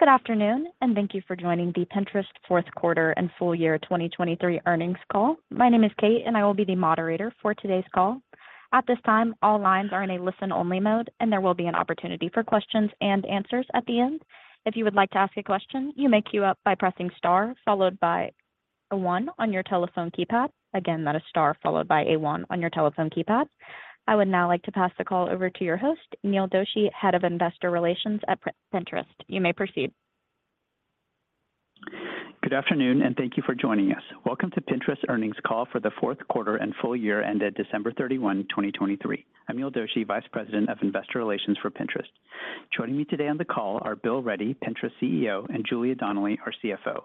Good afternoon, and thank you for joining the Pinterest fourth quarter and full year 2023 earnings call. My name is Kate, and I will be the moderator for today's call. At this time, all lines are in a listen-only mode, and there will be an opportunity for questions and answers at the end. If you would like to ask a question, you may queue up by pressing star followed by a one on your telephone keypad. Again, that is star followed by a one on your telephone keypad. I would now like to pass the call over to your host, Neil Doshi, head of investor relations at Pinterest. You may proceed. Good afternoon, and thank you for joining us. Welcome to Pinterest earnings call for the fourth quarter and full year ended December 31, 2023. I'm Neil Doshi, Vice President of Investor Relations for Pinterest. Joining me today on the call are Bill Ready, Pinterest CEO, and Julia Brau Donnelly, our CFO.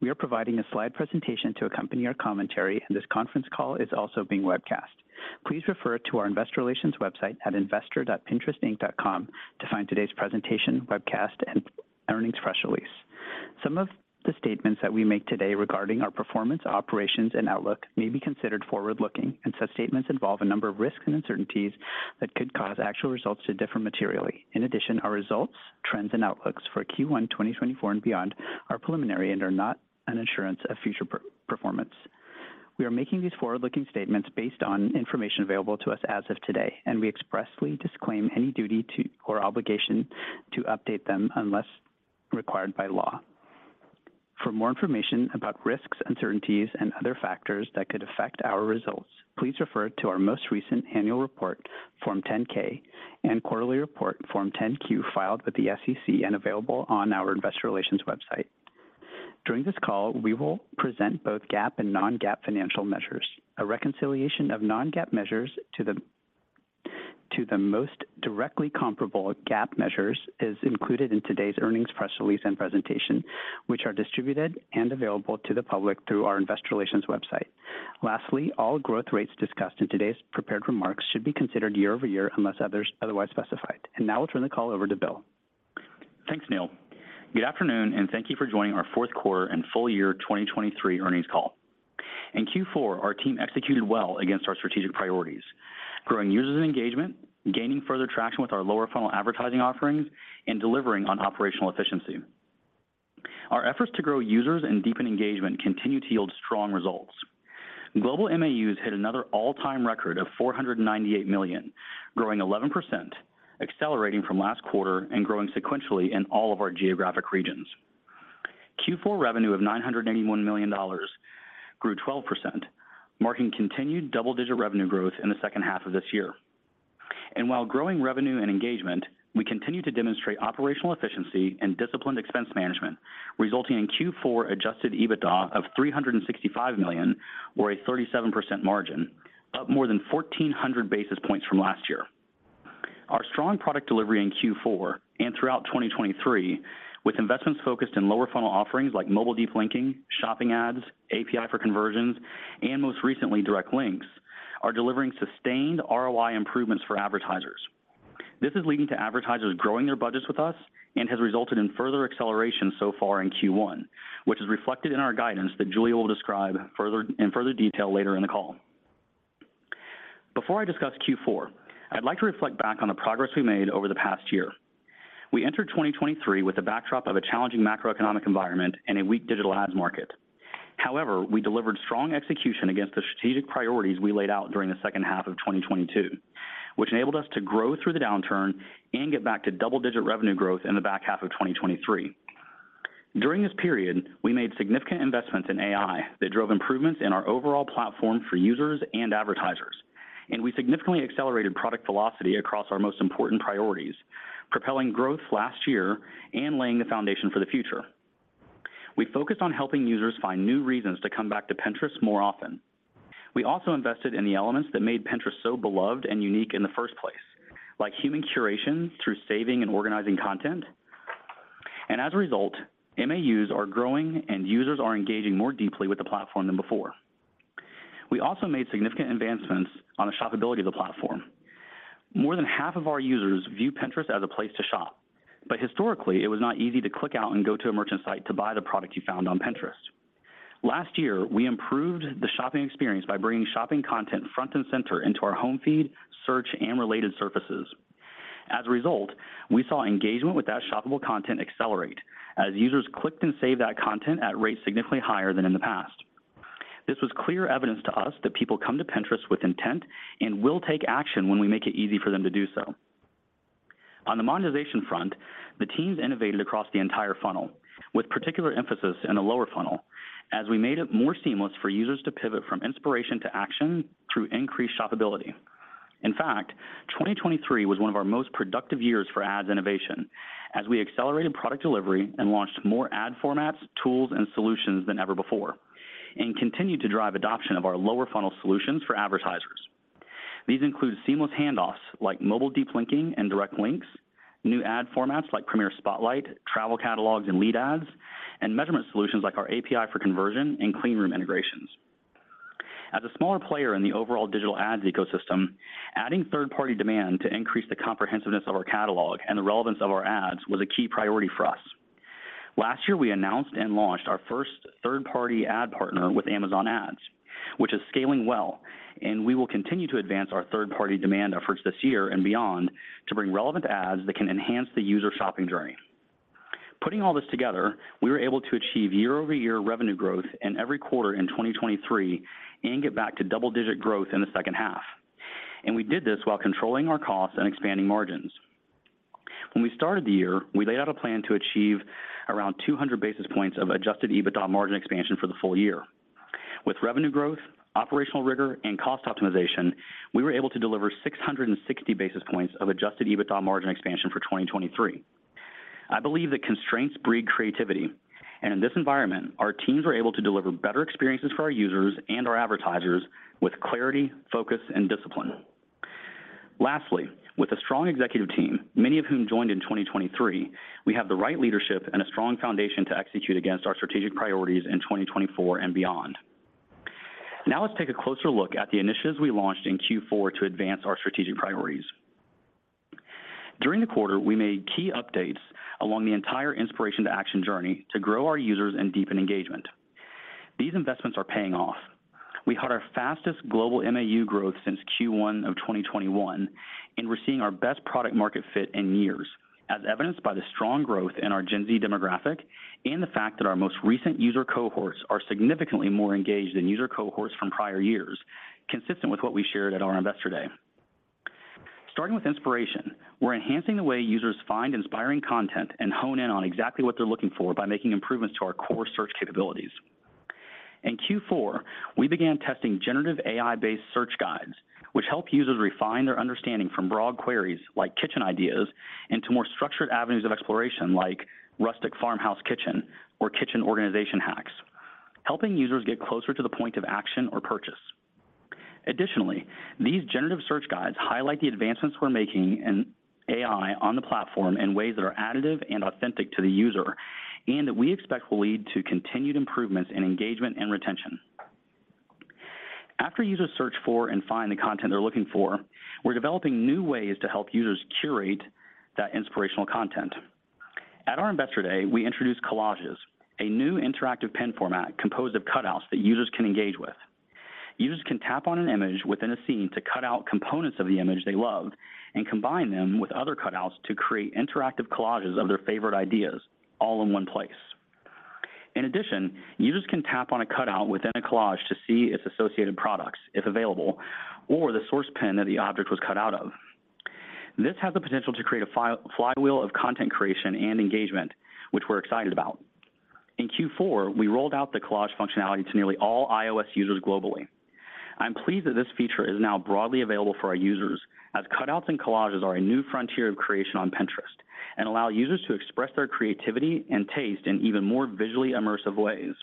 We are providing a slide presentation to accompany our commentary, and this conference call is also being webcast. Please refer to our investor relations website at investor.pinterestinc.com to find today's presentation, webcast, and earnings press release. Some of the statements that we make today regarding our performance, operations, and outlook may be considered forward-looking, and such statements involve a number of risks and uncertainties that could cause actual results to differ materially. In addition, our results, trends, and outlooks for Q1 2024 and beyond are preliminary and are not an assurance of future performance. We are making these forward-looking statements based on information available to us as of today, and we expressly disclaim any duty or obligation to update them unless required by law. For more information about risks, uncertainties, and other factors that could affect our results, please refer to our most recent annual report, Form 10-K, and quarterly report, Form 10-Q, filed with the SEC and available on our investor relations website. During this call, we will present both GAAP and non-GAAP financial measures. A reconciliation of non-GAAP measures to the most directly comparable GAAP measures is included in today's earnings press release and presentation, which are distributed and available to the public through our investor relations website. Lastly, all growth rates discussed in today's prepared remarks should be considered year over year unless otherwise specified. Now we'll turn the call over to Bill. Thanks, Neil. Good afternoon, and thank you for joining our fourth quarter and full year 2023 earnings call. In Q4, our team executed well against our strategic priorities: growing users and engagement, gaining further traction with our lower funnel advertising offerings, and delivering on operational efficiency. Our efforts to grow users and deepen engagement continue to yield strong results. Global MAUs hit another all-time record of 498 million, growing 11%, accelerating from last quarter and growing sequentially in all of our geographic regions. Q4 revenue of $981 million grew 12%, marking continued double-digit revenue growth in the second half of this year. While growing revenue and engagement, we continue to demonstrate operational efficiency and disciplined expense management, resulting in Q4 adjusted EBITDA of $365 million, or a 37% margin, up more than 1,400 basis points from last year. Our strong product delivery in Q4 and throughout 2023, with investments focused in lower funnel offerings like Mobile Deep Linking, Shopping Ads, API for Conversions, and most recently Direct Links, are delivering sustained ROI improvements for advertisers. This is leading to advertisers growing their budgets with us and has resulted in further acceleration so far in Q1, which is reflected in our guidance that Julia will describe in further detail later in the call. Before I discuss Q4, I'd like to reflect back on the progress we made over the past year. We entered 2023 with the backdrop of a challenging macroeconomic environment and a weak digital ads market. However, we delivered strong execution against the strategic priorities we laid out during the second half of 2022, which enabled us to grow through the downturn and get back to double-digit revenue growth in the back half of 2023. During this period, we made significant investments in AI that drove improvements in our overall platform for users and advertisers, and we significantly accelerated product velocity across our most important priorities, propelling growth last year and laying the foundation for the future. We focused on helping users find new reasons to come back to Pinterest more often. We also invested in the elements that made Pinterest so beloved and unique in the first place, like human curation through saving and organizing content. As a result, MAUs are growing and users are engaging more deeply with the platform than before. We also made significant advancements on the shoppability of the platform. More than half of our users view Pinterest as a place to shop, but historically, it was not easy to click out and go to a merchant site to buy the product you found on Pinterest. Last year, we improved the shopping experience by bringing shopping content front and center into our home feed, search, and related surfaces. As a result, we saw engagement with that shoppable content accelerate as users clicked and saved that content at rates significantly higher than in the past. This was clear evidence to us that people come to Pinterest with intent and will take action when we make it easy for them to do so. On the monetization front, the teams innovated across the entire funnel, with particular emphasis in the lower funnel, as we made it more seamless for users to pivot from inspiration to action through increased shoppability. In fact, 2023 was one of our most productive years for ads innovation, as we accelerated product delivery and launched more ad formats, tools, and solutions than ever before, and continued to drive adoption of our lower funnel solutions for advertisers. These include seamless handoffs like Mobile Deep Linking and Direct Links, new ad formats like Premiere Spotlight, travel catalogs, and lead ads, and measurement solutions like our API for Conversions and clean room integrations. As a smaller player in the overall digital ads ecosystem, adding third-party demand to increase the comprehensiveness of our catalog and the relevance of our ads was a key priority for us. Last year, we announced and launched our first third-party ad partner with Amazon Ads, which is scaling well, and we will continue to advance our third-party demand efforts this year and beyond to bring relevant ads that can enhance the user shopping journey. Putting all this together, we were able to achieve year-over-year revenue growth in every quarter in 2023 and get back to double-digit growth in the second half. We did this while controlling our costs and expanding margins. When we started the year, we laid out a plan to achieve around 200 basis points of adjusted EBITDA margin expansion for the full year. With revenue growth, operational rigor, and cost optimization, we were able to deliver 660 basis points of adjusted EBITDA margin expansion for 2023. I believe that constraints breed creativity, and in this environment, our teams were able to deliver better experiences for our users and our advertisers with clarity, focus, and discipline. Lastly, with a strong executive team, many of whom joined in 2023, we have the right leadership and a strong foundation to execute against our strategic priorities in 2024 and beyond. Now let's take a closer look at the initiatives we launched in Q4 to advance our strategic priorities. During the quarter, we made key updates along the entire inspiration-to-action journey to grow our users and deepen engagement. These investments are paying off. We caught our fastest global MAU growth since Q1 of 2021, and we're seeing our best product-market fit in years, as evidenced by the strong growth in our Gen Z demographic and the fact that our most recent user cohorts are significantly more engaged than user cohorts from prior years, consistent with what we shared at our Investor Day. Starting with inspiration, we're enhancing the way users find inspiring content and hone in on exactly what they're looking for by making improvements to our core search capabilities. In Q4, we began testing generative AI-based search guides, which help users refine their understanding from broad queries like kitchen ideas into more structured avenues of exploration like rustic farmhouse kitchen or kitchen organization hacks, helping users get closer to the point of action or purchase. Additionally, these generative search guides highlight the advancements we're making in AI on the platform in ways that are additive and authentic to the user, and that we expect will lead to continued improvements in engagement and retention. After users search for and find the content they're looking for, we're developing new ways to help users curate that inspirational content. At our investor day, we introduced Collages, a new interactive pin format composed of cutouts that users can engage with. Users can tap on an image within a scene to cut out components of the image they love and combine them with other cutouts to create interactive collages of their favorite ideas, all in one place. In addition, users can tap on a cutout within a collage to see its associated products, if available, or the source pin that the object was cut out of. This has the potential to create a flywheel of content creation and engagement, which we're excited about. In Q4, we rolled out the collage functionality to nearly all iOS users globally. I'm pleased that this feature is now broadly available for our users, as cutouts and collages are a new frontier of creation on Pinterest and allow users to express their creativity and taste in even more visually immersive ways.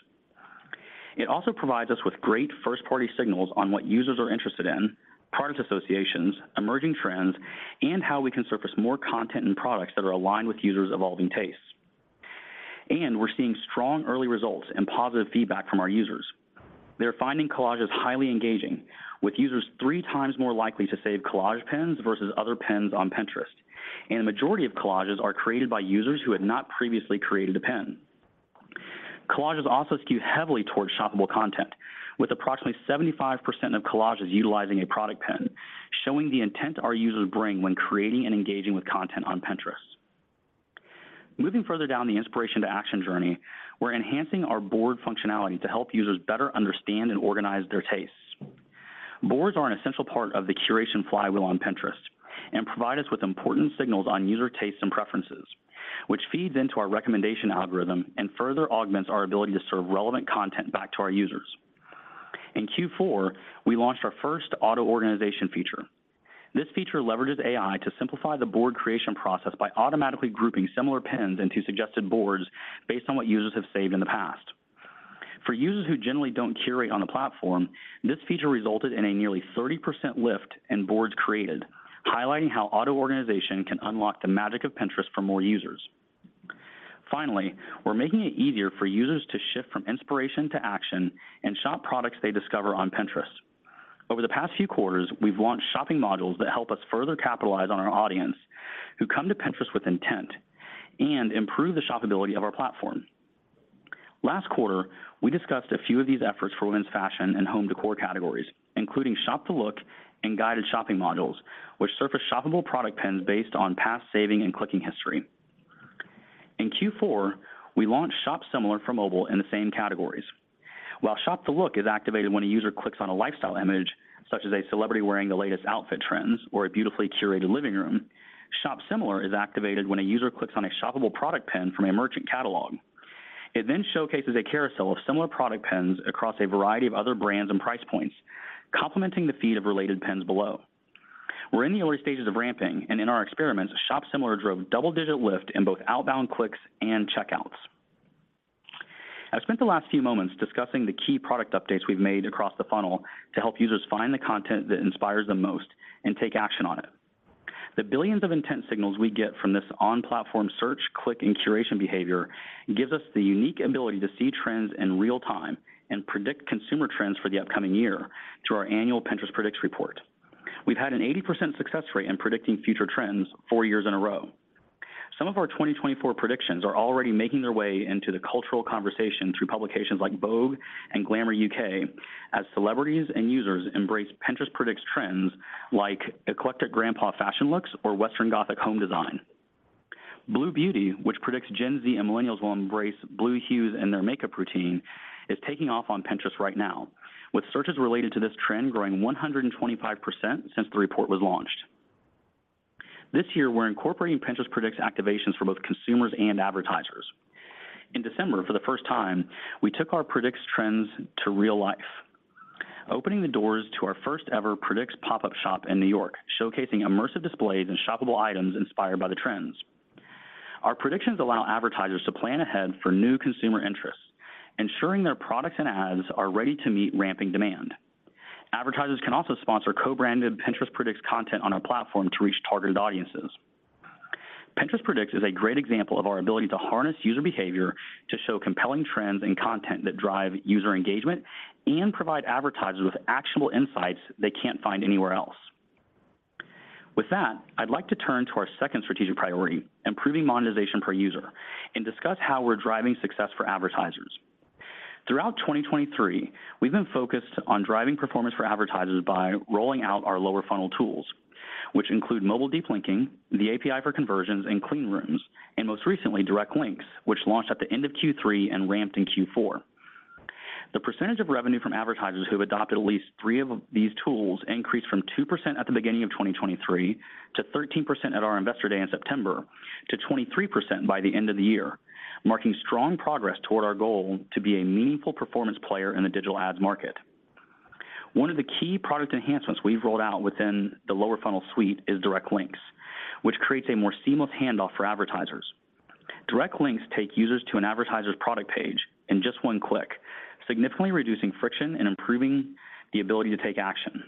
It also provides us with great first-party signals on what users are interested in, product associations, emerging trends, and how we can surface more content and products that are aligned with users' evolving tastes. We're seeing strong early results and positive feedback from our users. They're finding collages highly engaging, with users three times more likely to save collage pins versus other pins on Pinterest, and the majority of collages are created by users who had not previously created a pin. Collages also skew heavily toward shoppable content, with approximately 75% of collages utilizing a product pin, showing the intent our users bring when creating and engaging with content on Pinterest. Moving further down the inspiration-to-action journey, we're enhancing our board functionality to help users better understand and organize their tastes. Boards are an essential part of the curation flywheel on Pinterest and provide us with important signals on user tastes and preferences, which feeds into our recommendation algorithm and further augments our ability to serve relevant content back to our users. In Q4, we launched our first auto-organization feature. This feature leverages AI to simplify the board creation process by automatically grouping similar pins into suggested boards based on what users have saved in the past. For users who generally don't curate on the platform, this feature resulted in a nearly 30% lift in boards created, highlighting how auto-organization can unlock the magic of Pinterest for more users. Finally, we're making it easier for users to shift from inspiration to action and shop products they discover on Pinterest. Over the past few quarters, we've launched shopping modules that help us further capitalize on our audience who come to Pinterest with intent and improve the shoppability of our platform. Last quarter, we discussed a few of these efforts for women's fashion and home decor categories, including Shop the Look and guided shopping modules, which surface shoppable product pins based on past saves and clicking history. In Q4, we launched Shop Similar for mobile in the same categories. While Shop the Look is activated when a user clicks on a lifestyle image, such as a celebrity wearing the latest outfit trends or a beautifully curated living room, Shop Similar is activated when a user clicks on a shoppable product pin from a merchant catalog. It then showcases a carousel of similar product pins across a variety of other brands and price points, complementing the feed of related pins below. We're in the early stages of ramping, and in our experiments, Shop Similar drove a double-digit lift in both outbound clicks and checkouts. I've spent the last few moments discussing the key product updates we've made across the funnel to help users find the content that inspires them most and take action on it. The billions of intent signals we get from this on-platform search, click, and curation behavior gives us the unique ability to see trends in real time and predict consumer trends for the upcoming year through our annual Pinterest Predicts report. We've had an 80% success rate in predicting future trends four years in a row. Some of our 2024 predictions are already making their way into the cultural conversation through publications like Vogue and Glamour UK, as celebrities and users embrace Pinterest Predicts trends like Eclectic Grandpa fashion looks or Western Gothic home design. Blue Beauty, which predicts Gen Z and millennials will embrace blue hues in their makeup routine, is taking off on Pinterest right now, with searches related to this trend growing 125% since the report was launched. This year, we're incorporating Pinterest Predicts activations for both consumers and advertisers. In December, for the first time, we took our Predicts trends to real life, opening the doors to our first-ever Predicts pop-up shop in New York, showcasing immersive displays and shoppable items inspired by the trends. Our predictions allow advertisers to plan ahead for new consumer interests, ensuring their products and ads are ready to meet ramping demand. Advertisers can also sponsor co-branded Pinterest Predicts content on our platform to reach targeted audiences. Pinterest Predicts is a great example of our ability to harness user behavior to show compelling trends and content that drive user engagement and provide advertisers with actionable insights they can't find anywhere else. With that, I'd like to turn to our second strategic priority, improving monetization per user, and discuss how we're driving success for advertisers. Throughout 2023, we've been focused on driving performance for advertisers by rolling out our lower funnel tools, which include Mobile Deep Linking, the API for Conversions, and clean rooms, and most recently, Direct Links, which launched at the end of Q3 and ramped in Q4. The percentage of revenue from advertisers who have adopted at least three of these tools increased from 2% at the beginning of 2023 to 13% at our Investor Day in September to 23% by the end of the year, marking strong progress toward our goal to be a meaningful performance player in the digital ads market. One of the key product enhancements we've rolled out within the lower funnel suite is Direct Links, which creates a more seamless handoff for advertisers. Direct Links take users to an advertiser's product page in just one click, significantly reducing friction and improving the ability to take action.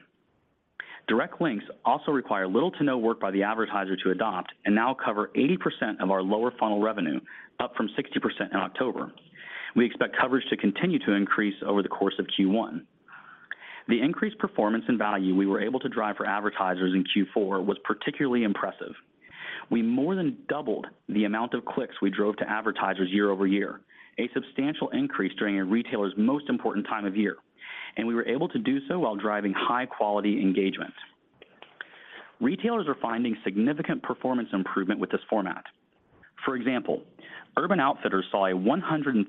Direct Links also require little to no work by the advertiser to adopt and now cover 80% of our lower funnel revenue, up from 60% in October. We expect coverage to continue to increase over the course of Q1. The increased performance and value we were able to drive for advertisers in Q4 was particularly impressive. We more than doubled the amount of clicks we drove to advertisers year-over-year, a substantial increase during a retailer's most important time of year, and we were able to do so while driving high-quality engagement. Retailers are finding significant performance improvement with this format. For example, Urban Outfitters saw a 132%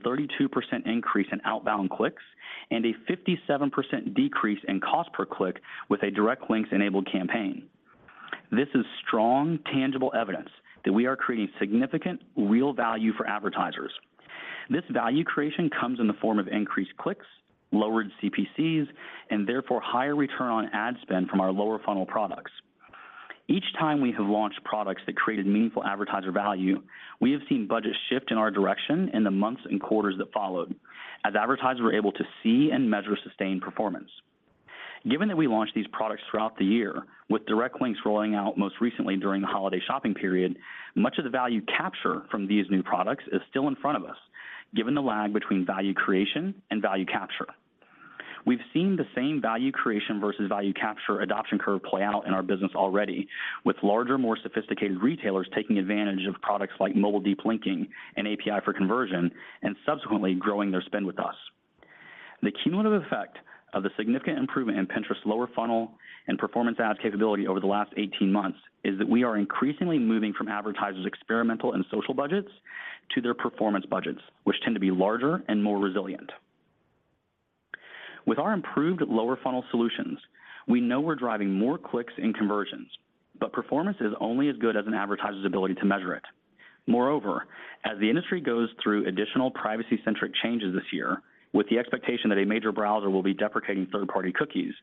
increase in outbound clicks and a 57% decrease in cost per click with a Direct Links-enabled campaign. This is strong, tangible evidence that we are creating significant, real value for advertisers. This value creation comes in the form of increased clicks, lowered CPCs, and therefore higher return on ad spend from our lower funnel products. Each time we have launched products that created meaningful advertiser value, we have seen budgets shift in our direction in the months and quarters that followed, as advertisers were able to see and measure sustained performance. Given that we launched these products throughout the year, with Direct Links rolling out most recently during the holiday shopping period, much of the value capture from these new products is still in front of us, given the lag between value creation and value capture. We've seen the same value creation versus value capture adoption curve play out in our business already, with larger, more sophisticated retailers taking advantage of products like Mobile Deep Linking and API for conversion and subsequently growing their spend with us. The cumulative effect of the significant improvement in Pinterest's lower funnel and performance ad capability over the last 18 months is that we are increasingly moving from advertisers' experimental and social budgets to their performance budgets, which tend to be larger and more resilient. With our improved lower funnel solutions, we know we're driving more clicks and conversions, but performance is only as good as an advertiser's ability to measure it. Moreover, as the industry goes through additional privacy-centric changes this year, with the expectation that a major browser will be deprecating third-party cookies,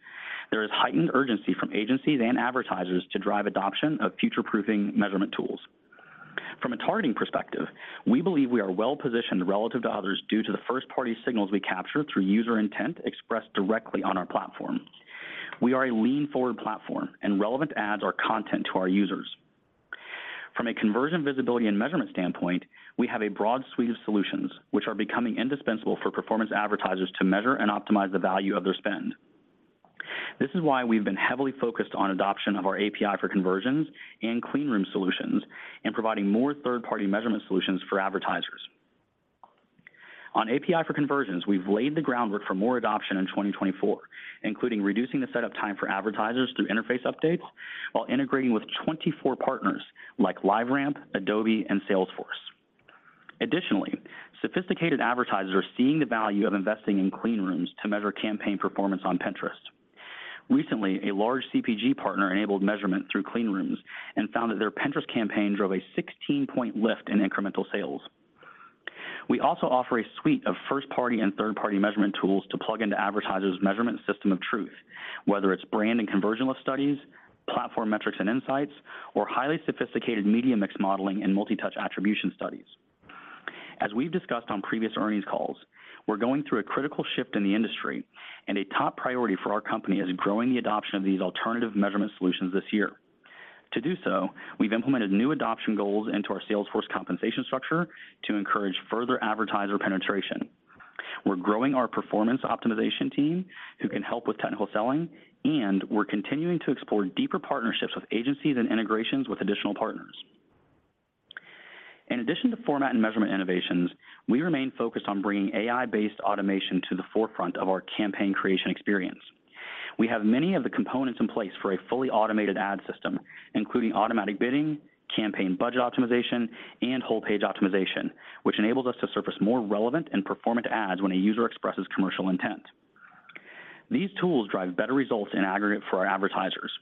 there is heightened urgency from agencies and advertisers to drive adoption of future-proofing measurement tools. From a targeting perspective, we believe we are well-positioned relative to others due to the first-party signals we capture through user intent expressed directly on our platform. We are a lean-forward platform, and relevant ads are content to our users. From a conversion visibility and measurement standpoint, we have a broad suite of solutions, which are becoming indispensable for performance advertisers to measure and optimize the value of their spend. This is why we've been heavily focused on adoption of our API for Conversions and clean room solutions and providing more third-party measurement solutions for advertisers. On API for Conversions, we've laid the groundwork for more adoption in 2024, including reducing the setup time for advertisers through interface updates while integrating with 24 partners like LiveRamp, Adobe, and Salesforce. Additionally, sophisticated advertisers are seeing the value of investing in clean rooms to measure campaign performance on Pinterest. Recently, a large CPG partner enabled measurement through clean rooms and found that their Pinterest campaign drove a 16-point lift in incremental sales. We also offer a suite of first-party and third-party measurement tools to plug into advertisers' measurement system of truth, whether it's brand and conversion lift studies, platform metrics and insights, or highly sophisticated media mix modeling and multi-touch attribution studies. As we've discussed on previous earnings calls, we're going through a critical shift in the industry, and a top priority for our company is growing the adoption of these alternative measurement solutions this year. To do so, we've implemented new adoption goals into our Salesforce compensation structure to encourage further advertiser penetration. We're growing our performance optimization team, who can help with technical selling, and we're continuing to explore deeper partnerships with agencies and integrations with additional partners. In addition to format and measurement innovations, we remain focused on bringing AI-based automation to the forefront of our campaign creation experience. We have many of the components in place for a fully automated ad system, including automatic bidding, campaign budget optimization, and Whole-Page Optimization, which enables us to surface more relevant and performant ads when a user expresses commercial intent. These tools drive better results in aggregate for our advertisers.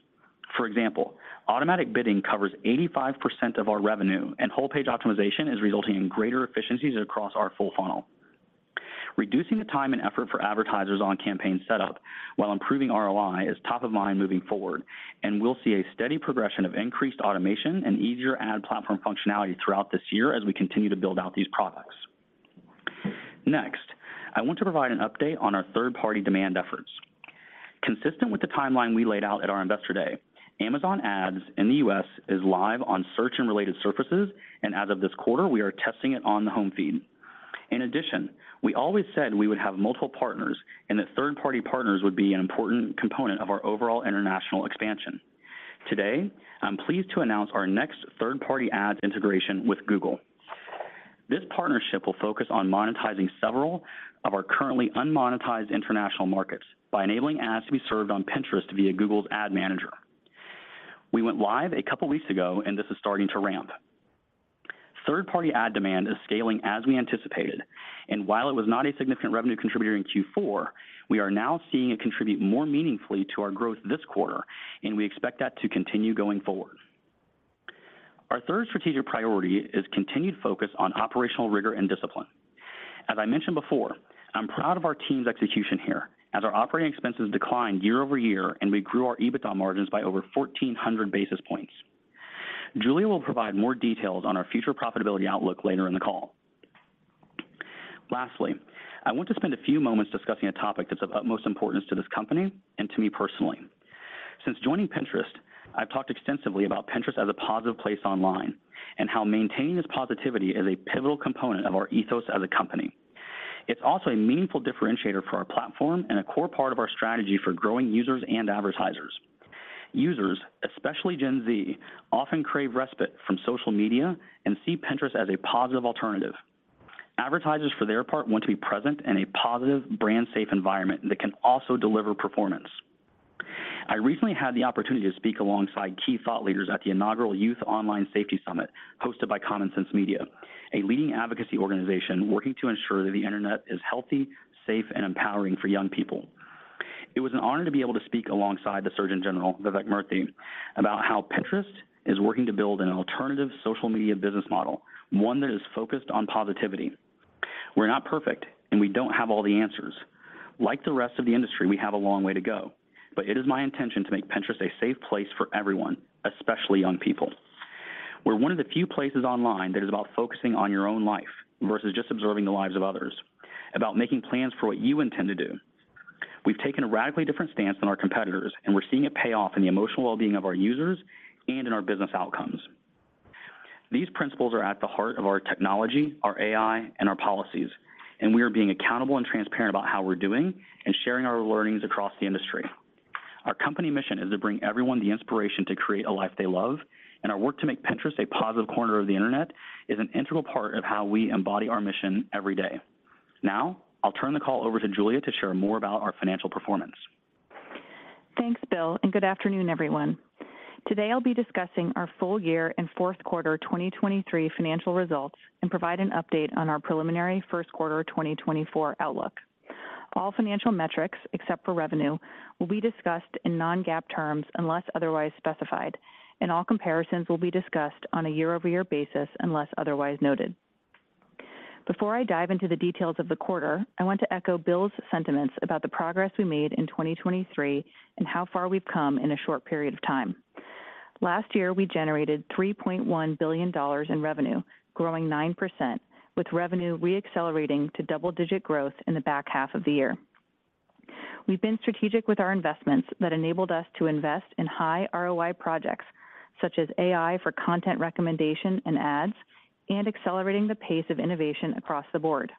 For example, automatic bidding covers 85% of our revenue, and Whole-Page Optimization is resulting in greater efficiencies across our full funnel. Reducing the time and effort for advertisers on campaign setup while improving ROI is top of mind moving forward, and we'll see a steady progression of increased automation and easier ad platform functionality throughout this year as we continue to build out these products. Next, I want to provide an update on our third-party demand efforts. Consistent with the timeline we laid out at our Investor Day, Amazon Ads in the U.S. Is live on search-and-related surfaces, and as of this quarter, we are testing it on the home feed. In addition, we always said we would have multiple partners and that third-party partners would be an important component of our overall international expansion. Today, I'm pleased to announce our next third-party ads integration with Google. This partnership will focus on monetizing several of our currently unmonetized international markets by enabling ads to be served on Pinterest via Google's Ad Manager. We went live a couple of weeks ago, and this is starting to ramp. Third-party ad demand is scaling as we anticipated, and while it was not a significant revenue contributor in Q4, we are now seeing it contribute more meaningfully to our growth this quarter, and we expect that to continue going forward. Our third strategic priority is continued focus on operational rigor and discipline. As I mentioned before, I'm proud of our team's execution here, as our operating expenses declined year-over-year and we grew our EBITDA margins by over 1,400 basis points. Julia will provide more details on our future profitability outlook later in the call. Lastly, I want to spend a few moments discussing a topic that's of utmost importance to this company and to me personally. Since joining Pinterest, I've talked extensively about Pinterest as a positive place online and how maintaining this positivity is a pivotal component of our ethos as a company. It's also a meaningful differentiator for our platform and a core part of our strategy for growing users and advertisers. Users, especially Gen Z, often crave respite from social media and see Pinterest as a positive alternative. Advertisers, for their part, want to be present in a positive, brand-safe environment that can also deliver performance. I recently had the opportunity to speak alongside key thought leaders at the inaugural Youth Online Safety Summit hosted by Common Sense Media, a leading advocacy organization working to ensure that the internet is healthy, safe, and empowering for young people. It was an honor to be able to speak alongside the Surgeon General, Vivek Murthy, about how Pinterest is working to build an alternative social media business model, one that is focused on positivity. We're not perfect, and we don't have all the answers. Like the rest of the industry, we have a long way to go, but it is my intention to make Pinterest a safe place for everyone, especially young people. We're one of the few places online that is about focusing on your own life versus just observing the lives of others, about making plans for what you intend to do. We've taken a radically different stance than our competitors, and we're seeing it pay off in the emotional well-being of our users and in our business outcomes. These principles are at the heart of our technology, our AI, and our policies, and we are being accountable and transparent about how we're doing and sharing our learnings across the industry. Our company mission is to bring everyone the inspiration to create a life they love, and our work to make Pinterest a positive corner of the internet is an integral part of how we embody our mission every day. Now, I'll turn the call over to Julia to share more about our financial performance. Thanks, Bill, and good afternoon, everyone. Today, I'll be discussing our full year and fourth quarter 2023 financial results and provide an update on our preliminary first quarter 2024 outlook. All financial metrics, except for revenue, will be discussed in non-GAAP terms unless otherwise specified, and all comparisons will be discussed on a year-over-year basis unless otherwise noted. Before I dive into the details of the quarter, I want to echo Bill's sentiments about the progress we made in 2023 and how far we've come in a short period of time. Last year, we generated $3.1 billion in revenue, growing 9%, with revenue reaccelerating to double-digit growth in the back half of the year. We've been strategic with our investments that enabled us to invest in high ROI projects such as AI for content recommendation and ads, and accelerating the pace of innovation across the board.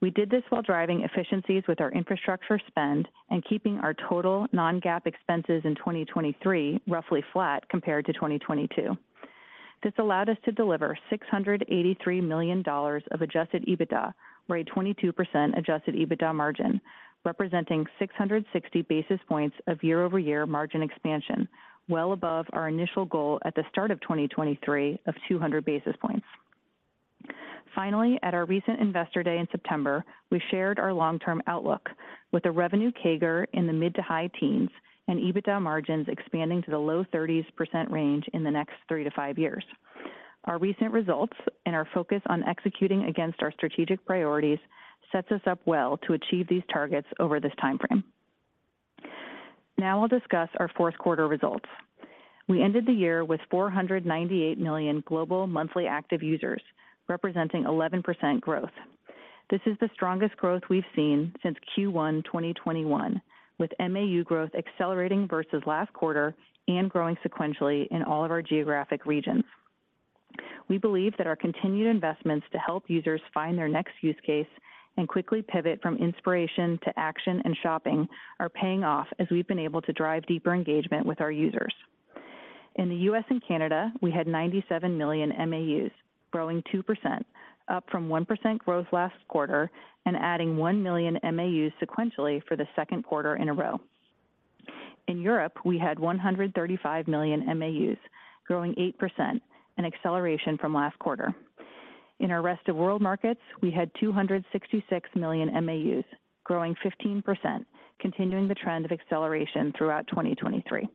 We did this while driving efficiencies with our infrastructure spend and keeping our total non-GAAP expenses in 2023 roughly flat compared to 2022. This allowed us to deliver $683 million of adjusted EBITDA or a 22% adjusted EBITDA margin, representing 660 basis points of year-over-year margin expansion, well above our initial goal at the start of 2023 of 200 basis points. Finally, at our recent Investor Day in September, we shared our long-term outlook, with a revenue CAGR in the mid to high teens and EBITDA margins expanding to the low 30% range in the next three to five years. Our recent results and our focus on executing against our strategic priorities set us up well to achieve these targets over this timeframe. Now I'll discuss our fourth quarter results. We ended the year with 498 million global monthly active users, representing 11% growth. This is the strongest growth we've seen since Q1 2021, with MAU growth accelerating versus last quarter and growing sequentially in all of our geographic regions. We believe that our continued investments to help users find their next use case and quickly pivot from inspiration to action and shopping are paying off as we've been able to drive deeper engagement with our users. In the U.S. and Canada, we had 97 million MAUs, growing 2%, up from 1% growth last quarter and adding 1 million MAUs sequentially for the second quarter in a row. In Europe, we had 135 million MAUs, growing 8%, an acceleration from last quarter. In our rest of world markets, we had 266 million MAUs, growing 15%, continuing the trend of acceleration throughout 2023.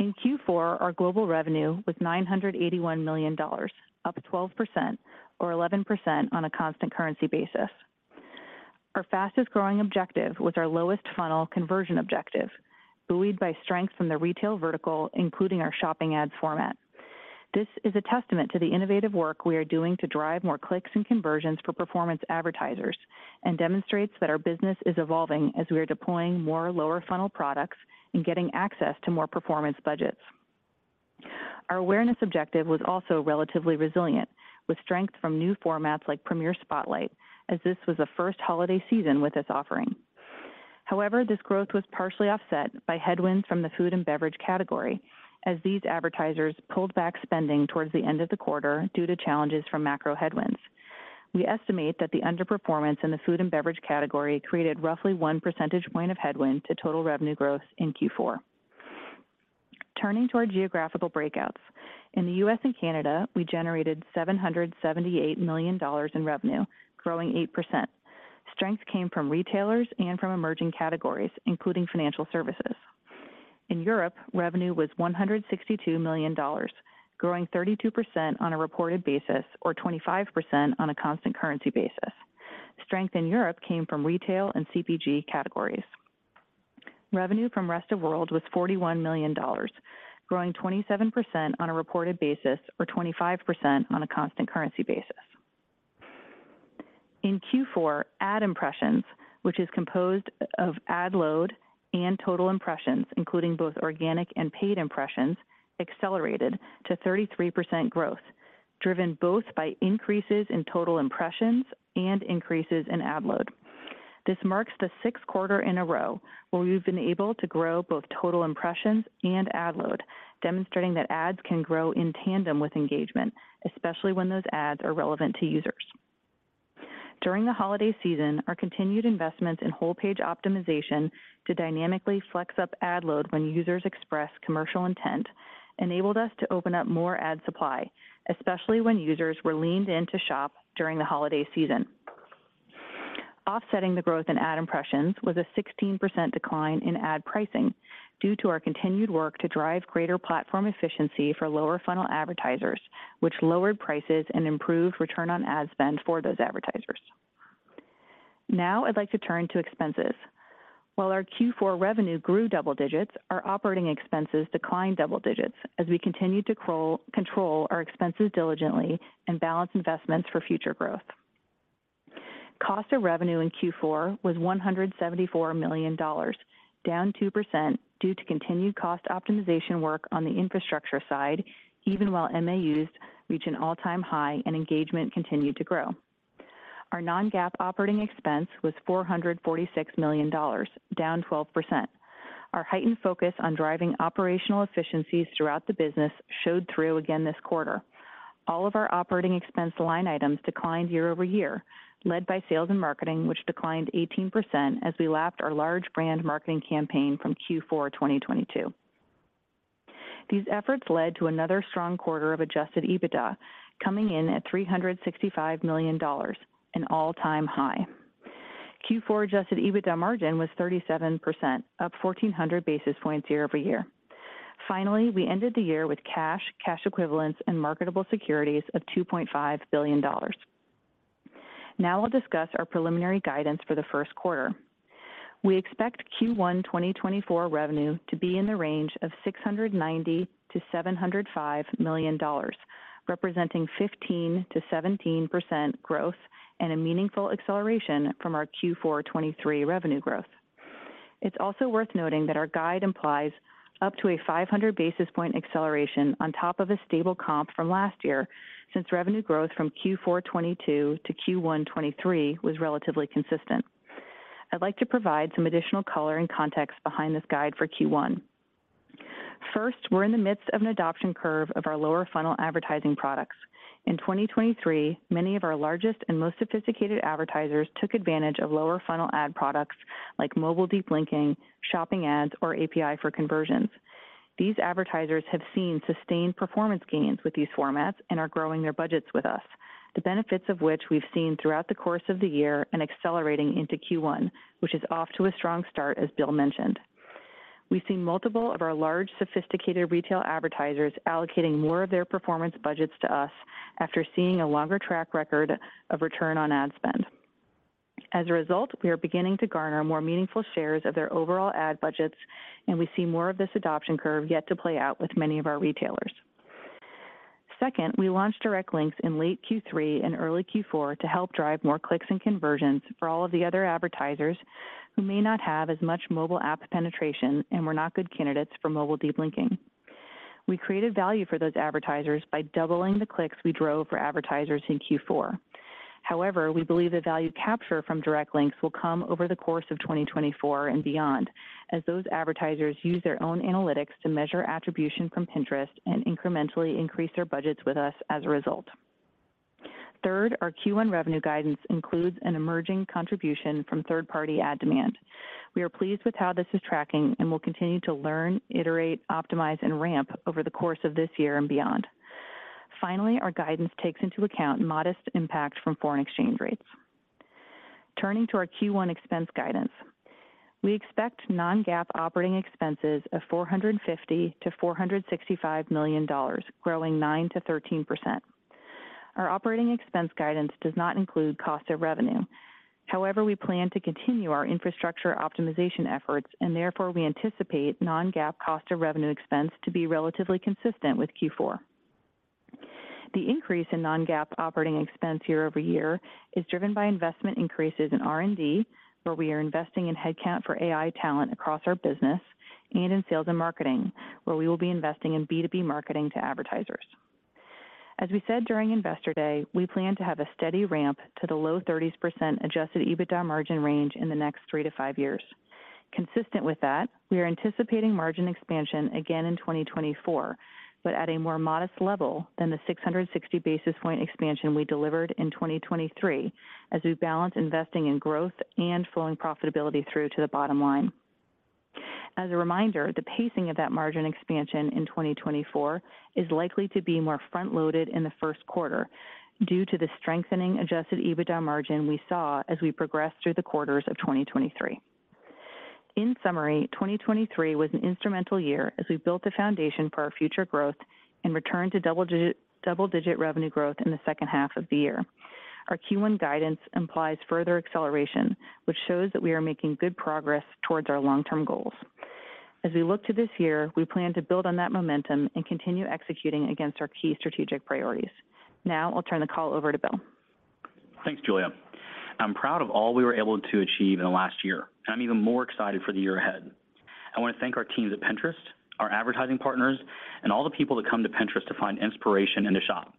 In Q4, our global revenue was $981 million, up 12% or 11% on a constant currency basis. Our fastest growing objective was our lowest funnel conversion objective, buoyed by strength from the retail vertical, including our Shopping Ads format. This is a testament to the innovative work we are doing to drive more clicks and conversions for performance advertisers and demonstrates that our business is evolving as we are deploying more lower funnel products and getting access to more performance budgets. Our awareness objective was also relatively resilient, with strength from new formats like Premiere Spotlight, as this was the first holiday season with this offering. However, this growth was partially offset by headwinds from the food and beverage category, as these advertisers pulled back spending towards the end of the quarter due to challenges from macro headwinds. We estimate that the underperformance in the food and beverage category created roughly one percentage point of headwind to total revenue growth in Q4. Turning to our geographical breakouts. In the U.S. and Canada, we generated $778 million in revenue, growing 8%. Strength came from retailers and from emerging categories, including financial services. In Europe, revenue was $162 million, growing 32% on a reported basis or 25% on a constant currency basis. Strength in Europe came from retail and CPG categories. Revenue from the rest of the world was $41 million, growing 27% on a reported basis or 25% on a constant currency basis. In Q4, ad impressions, which is composed of ad load and total impressions, including both organic and paid impressions, accelerated to 33% growth, driven both by increases in total impressions and increases in ad load. This marks the sixth quarter in a row where we've been able to grow both total impressions and ad load, demonstrating that ads can grow in tandem with engagement, especially when those ads are relevant to users. During the holiday season, our continued investments in Whole-Page Optimization to dynamically flex up ad load when users express commercial intent enabled us to open up more ad supply, especially when users were leaned in to shop during the holiday season. Offsetting the growth in ad impressions was a 16% decline in ad pricing due to our continued work to drive greater platform efficiency for lower funnel advertisers, which lowered prices and improved return on ad spend for those advertisers. Now I'd like to turn to expenses. While our Q4 revenue grew double digits, our operating expenses declined double digits as we continued to control our expenses diligently and balance investments for future growth. Cost of revenue in Q4 was $174 million, down 2% due to continued cost optimization work on the infrastructure side, even while MAUs reached an all-time high and engagement continued to grow. Our non-GAAP operating expense was $446 million, down 12%. Our heightened focus on driving operational efficiencies throughout the business showed through again this quarter. All of our operating expense line items declined year over year, led by sales and marketing, which declined 18% as we lapped our large brand marketing campaign from Q4 2022. These efforts led to another strong quarter of adjusted EBITDA, coming in at $365 million, an all-time high. Q4 adjusted EBITDA margin was 37%, up 1,400 basis points year over year. Finally, we ended the year with cash, cash equivalents, and marketable securities of $2.5 billion. Now I'll discuss our preliminary guidance for the first quarter. We expect Q1 2024 revenue to be in the range of $690 million-$705 million, representing 15%-17% growth and a meaningful acceleration from our Q4 2023 revenue growth. It's also worth noting that our guide implies up to a 500 basis point acceleration on top of a stable comp from last year, since revenue growth from Q4 2022 to Q1 2023 was relatively consistent. I'd like to provide some additional color and context behind this guide for Q1. First, we're in the midst of an adoption curve of our lower funnel advertising products. In 2023, many of our largest and most sophisticated advertisers took advantage of lower funnel ad products like Mobile Deep Linking, Shopping Ads, or API for Conversions. These advertisers have seen sustained performance gains with these formats and are growing their budgets with us, the benefits of which we've seen throughout the course of the year and accelerating into Q1, which is off to a strong start, as Bill mentioned. We've seen multiple of our large sophisticated retail advertisers allocating more of their performance budgets to us after seeing a longer track record of Return on Ad Spend. As a result, we are beginning to garner more meaningful shares of their overall ad budgets, and we see more of this adoption curve yet to play out with many of our retailers. Second, we launched Direct Links in late Q3 and early Q4 to help drive more clicks and conversions for all of the other advertisers who may not have as much mobile app penetration and were not good candidates for Mobile Deep Linking. We created value for those advertisers by doubling the clicks we drove for advertisers in Q4. However, we believe the value capture from Direct Links will come over the course of 2024 and beyond, as those advertisers use their own analytics to measure attribution from Pinterest and incrementally increase their budgets with us as a result. Third, our Q1 revenue guidance includes an emerging contribution from third-party ad demand. We are pleased with how this is tracking and will continue to learn, iterate, optimize, and ramp over the course of this year and beyond. Finally, our guidance takes into account modest impact from foreign exchange rates. Turning to our Q1 expense guidance. We expect non-GAAP operating expenses of $450 miilion-$465 million, growing 9%-13%. Our operating expense guidance does not include cost of revenue. However, we plan to continue our infrastructure optimization efforts, and therefore we anticipate non-GAAP cost of revenue expense to be relatively consistent with Q4. The increase in Non-GAAP operating expense year-over-year is driven by investment increases in R&D, where we are investing in headcount for AI talent across our business, and in sales and marketing, where we will be investing in B2B marketing to advertisers. As we said during Investor Day, we plan to have a steady ramp to the low 30% adjusted EBITDA margin range in the next three to five years. Consistent with that, we are anticipating margin expansion again in 2024, but at a more modest level than the 660 basis point expansion we delivered in 2023, as we balance investing in growth and flowing profitability through to the bottom line. As a reminder, the pacing of that margin expansion in 2024 is likely to be more front-loaded in the first quarter due to the strengthening adjusted EBITDA margin we saw as we progressed through the quarters of 2023. In summary, 2023 was an instrumental year as we built the foundation for our future growth and returned to double-digit revenue growth in the second half of the year. Our Q1 guidance implies further acceleration, which shows that we are making good progress towards our long-term goals. As we look to this year, we plan to build on that momentum and continue executing against our key strategic priorities. Now I'll turn the call over to Bill. Thanks, Julia. I'm proud of all we were able to achieve in the last year, and I'm even more excited for the year ahead. I want to thank our teams at Pinterest, our advertising partners, and all the people that come to Pinterest to find inspiration and to shop.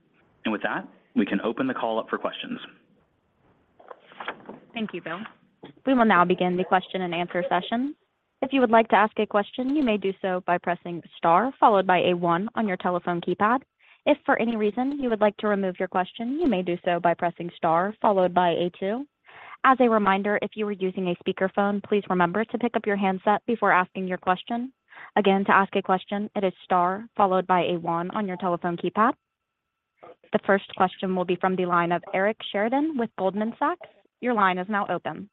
With that, we can open the call up for questions. Thank you, Bill. We will now begin the question and answer session. If you would like to ask a question, you may do so by pressing star followed by a one on your telephone keypad. If for any reason you would like to remove your question, you may do so by pressing star followed by a two. As a reminder, if you are using a speakerphone, please remember to pick up your handset before asking your question. Again, to ask a question, it is star followed by a one on your telephone keypad. The first question will be from the line of Eric Sheridan with Goldman Sachs. Your line is now open.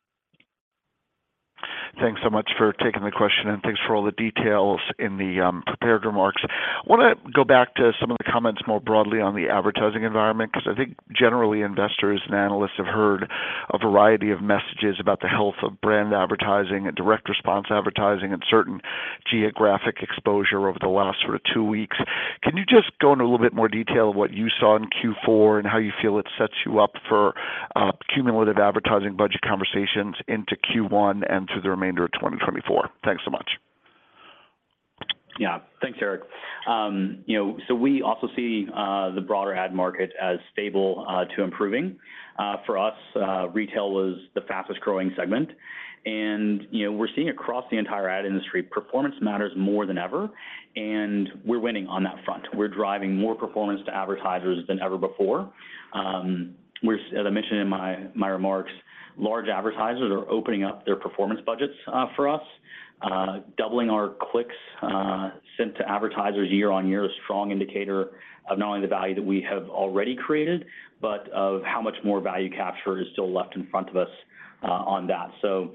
Thanks so much for taking the question, and thanks for all the details in the prepared remarks. I want to go back to some of the comments more broadly on the advertising environment because I think generally investors and analysts have heard a variety of messages about the health of brand advertising and direct response advertising and certain geographic exposure over the last sort of two weeks. Can you just go into a little bit more detail of what you saw in Q4 and how you feel it sets you up for cumulative advertising budget conversations into Q1 and through the remainder of 2024? Thanks so much. Yeah, thanks, Eric. You know, so we also see the broader ad market as stable to improving. For us, retail was the fastest growing segment. And we're seeing across the entire ad industry, performance matters more than ever, and we're winning on that front. We're driving more performance to advertisers than ever before. As I mentioned in my remarks, large advertisers are opening up their performance budgets for us. Doubling our clicks sent to advertisers year-over-year is a strong indicator of not only the value that we have already created, but of how much more value capture is still left in front of us on that. So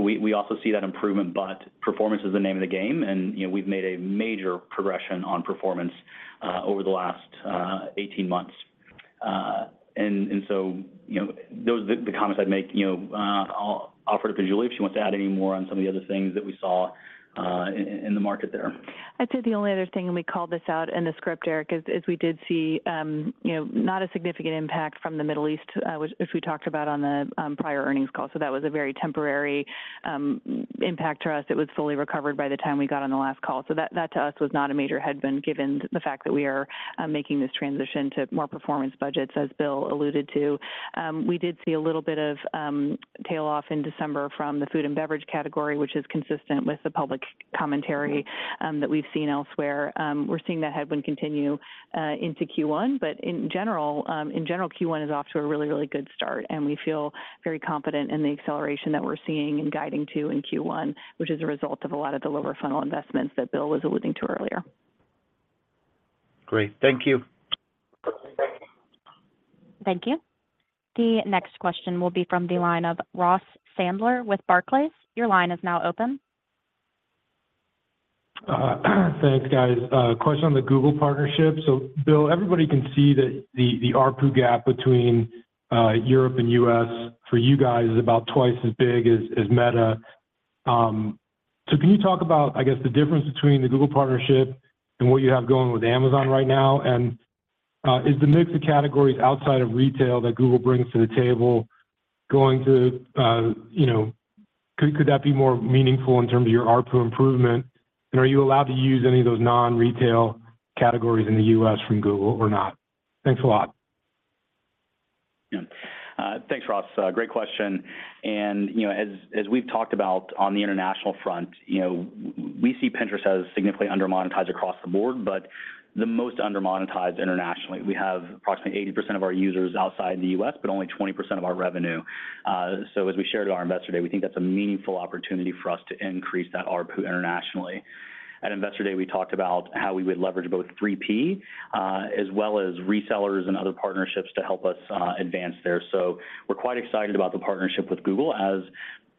we also see that improvement, but performance is the name of the game, and we've made a major progression on performance over the last 18 months. And so those are the comments I'd make. I'll offer it up to Julia if she wants to add any more on some of the other things that we saw in the market there. I'd say the only other thing when we called this out in the script, Eric, is we did see not a significant impact from the Middle East, which we talked about on the prior earnings call. So that was a very temporary impact to us. It was fully recovered by the time we got on the last call. So that to us was not a major headwind given the fact that we are making this transition to more performance budgets, as Bill alluded to. We did see a little bit of tail off in December from the food and beverage category, which is consistent with the public commentary that we've seen elsewhere. We're seeing that headwind continue into Q1, but in general, Q1 is off to a really, really good start, and we feel very confident in the acceleration that we're seeing and guiding to in Q1, which is a result of a lot of the lower funnel investments that Bill was alluding to earlier. Great. Thank you. Thank you. The next question will be from the line of Ross Sandler with Barclays. Your line is now open. Thanks, guys. Question on the Google partnership. So Bill, everybody can see that the ARPU gap between Europe and U.S. for you guys is about twice as big as Meta. So can you talk about, I guess, the difference between the Google partnership and what you have going with Amazon right now? And is the mix of categories outside of retail that Google brings to the table going to could that be more meaningful in terms of your ARPU improvement? And are you allowed to use any of those non-retail categories in the U.S. from Google or not? Thanks a lot. Yeah. Thanks, Ross. Great question. As we've talked about on the international front, we see Pinterest as significantly undermonetized across the board, but the most undermonetized internationally. We have approximately 80% of our users outside the U.S., but only 20% of our revenue. So as we shared with our Investor Day, we think that's a meaningful opportunity for us to increase that ARPU internationally. At Investor Day, we talked about how we would leverage both 3P as well as resellers and other partnerships to help us advance there. So we're quite excited about the partnership with Google, as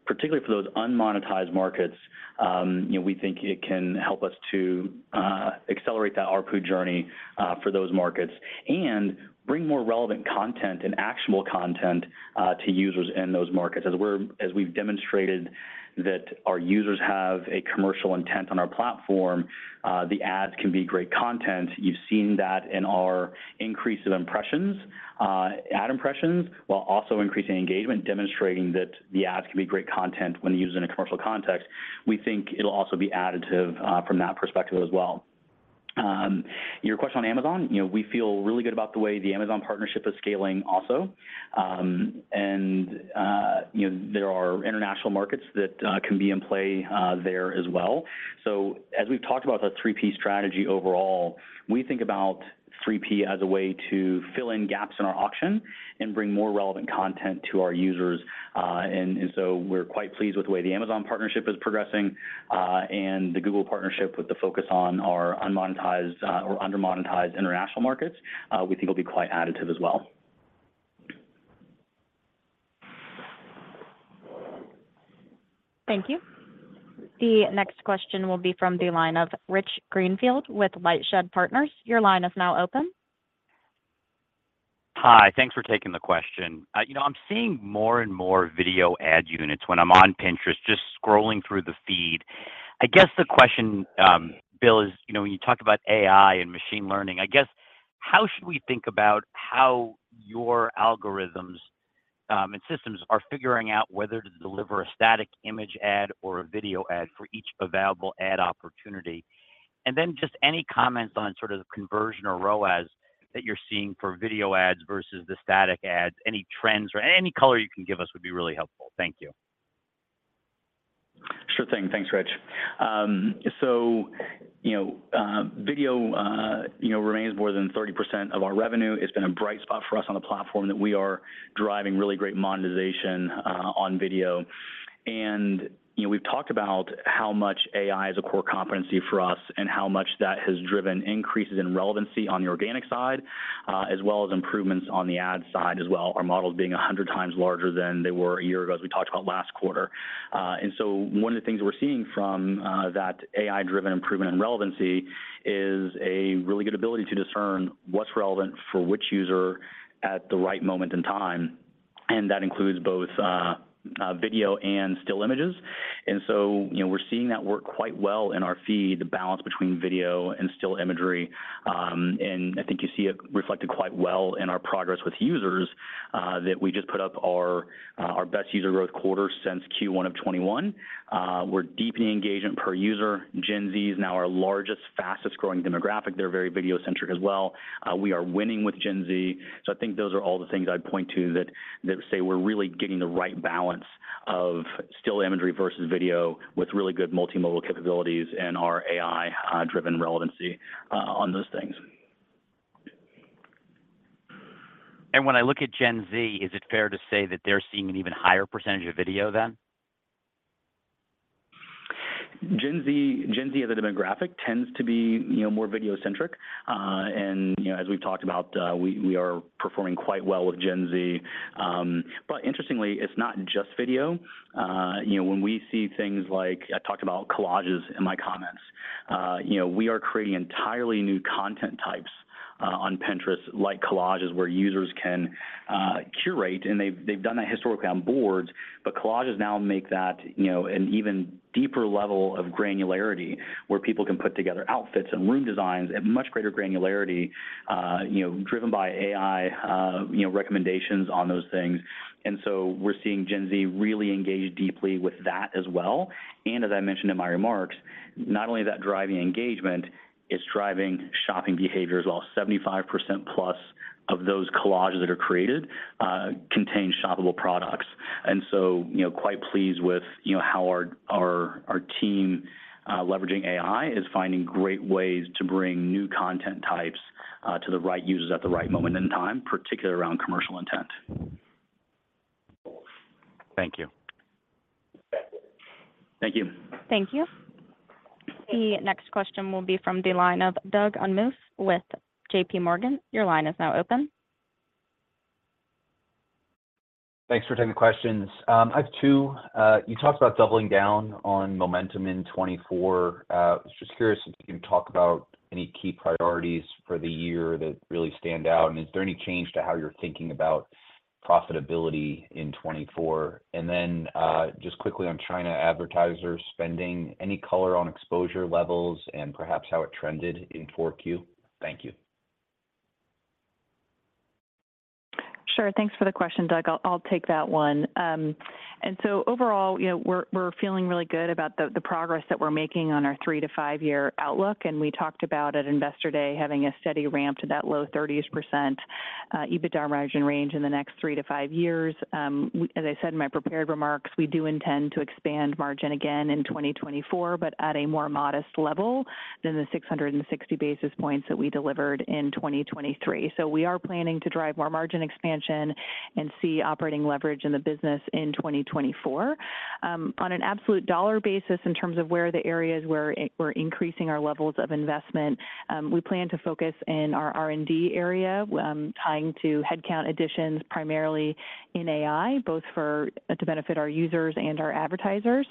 particularly for those unmonetized markets, we think it can help us to accelerate that ARPU journey for those markets and bring more relevant content and actionable content to users in those markets. As we've demonstrated that our users have a commercial intent on our platform, the ads can be great content. You've seen that in our increase of impressions, ad impressions, while also increasing engagement, demonstrating that the ads can be great content when used in a commercial context. We think it'll also be additive from that perspective as well. Your question on Amazon, we feel really good about the way the Amazon partnership is scaling also. And there are international markets that can be in play there as well. So as we've talked about the 3P strategy overall, we think about 3P as a way to fill in gaps in our auction and bring more relevant content to our users. And so we're quite pleased with the way the Amazon partnership is progressing and the Google partnership with the focus on our unmonetized or undermonetized international markets. We think it'll be quite additive as well. Thank you. The next question will be from the line of Rich Greenfield with LightShed Partners. Your line is now open. Hi, thanks for taking the question. I'm seeing more and more video ad units when I'm on Pinterest, just scrolling through the feed. I guess the question, Bill, is when you talk about AI and machine learning, I guess how should we think about how your algorithms and systems are figuring out whether to deliver a static image ad or a video ad for each available ad opportunity? And then just any comments on sort of conversion or ROAS that you're seeing for video ads versus the static ads, any trends or any color you can give us would be really helpful. Thank you. Sure thing. Thanks, Rich. So video remains more than 30% of our revenue. It's been a bright spot for us on the platform that we are driving really great monetization on video. We've talked about how much AI is a core competency for us and how much that has driven increases in relevancy on the organic side as well as improvements on the ad side as well, our models being 100 times larger than they were a year ago, as we talked about last quarter. So one of the things we're seeing from that AI-driven improvement and relevancy is a really good ability to discern what's relevant for which user at the right moment in time. And that includes both video and still images. So we're seeing that work quite well in our feed, the balance between video and still imagery. And I think you see it reflected quite well in our progress with users that we just put up our best user growth quarter since Q1 of 2021. We're deepening engagement per user. Gen Z is now our largest, fastest-growing demographic. They're very video-centric as well. We are winning with Gen Z. So I think those are all the things I'd point to that say we're really getting the right balance of still imagery versus video with really good multimodal capabilities and our AI-driven relevancy on those things. And when I look at Gen Z, is it fair to say that they're seeing an even higher percentage of video then? Gen Z, as a demographic, tends to be more video-centric. And as we've talked about, we are performing quite well with Gen Z. But interestingly, it's not just video. When we see things like I talked about collages in my comments. We are creating entirely new content types on Pinterest, like collages where users can curate, and they've done that historically on boards. But collages now make that an even deeper level of granularity where people can put together outfits and room designs at much greater granularity, driven by AI recommendations on those things. And so we're seeing Gen Z really engage deeply with that as well. And as I mentioned in my remarks, not only is that driving engagement, it's driving shopping behavior as well. 75% plus of those collages that are created contain shoppable products. And so quite pleased with how our team leveraging AI is finding great ways to bring new content types to the right users at the right moment in time, particularly around commercial intent. Thank you. Thank you. Thank you. The next question will be from the line of Doug Anmuth with JPMorgan. Your line is now open. Thanks for taking the questions. I have two. You talked about doubling down on momentum in 2024. I was just curious if you can talk about any key priorities for the year that really stand out. Is there any change to how you're thinking about profitability in 2024? Then just quickly on China advertiser spending, any color on exposure levels and perhaps how it trended in 4Q? Thank you. Sure. Thanks for the question, Doug. I'll take that one. And so overall, we're feeling really good about the progress that we're making on our three to five-year outlook. And we talked about at Investor Day having a steady ramp to that low 30% EBITDA margin range in the next three to five years. As I said in my prepared remarks, we do intend to expand margin again in 2024, but at a more modest level than the 660 basis points that we delivered in 2023. We are planning to drive more margin expansion and see operating leverage in the business in 2024. On an absolute dollar basis in terms of where the areas where we're increasing our levels of investment, we plan to focus in our R&D area, tying to headcount additions primarily in AI, both to benefit our users and our advertisers.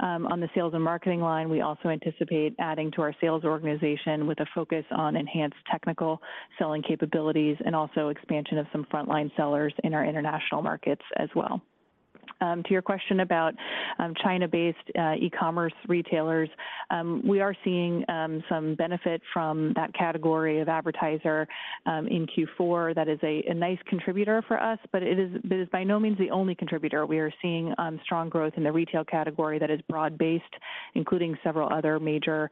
On the sales and marketing line, we also anticipate adding to our sales organization with a focus on enhanced technical selling capabilities and also expansion of some frontline sellers in our international markets as well. To your question about China-based e-commerce retailers, we are seeing some benefit from that category of advertiser in Q4. That is a nice contributor for us, but it is by no means the only contributor. We are seeing strong growth in the retail category that is broad-based, including several other major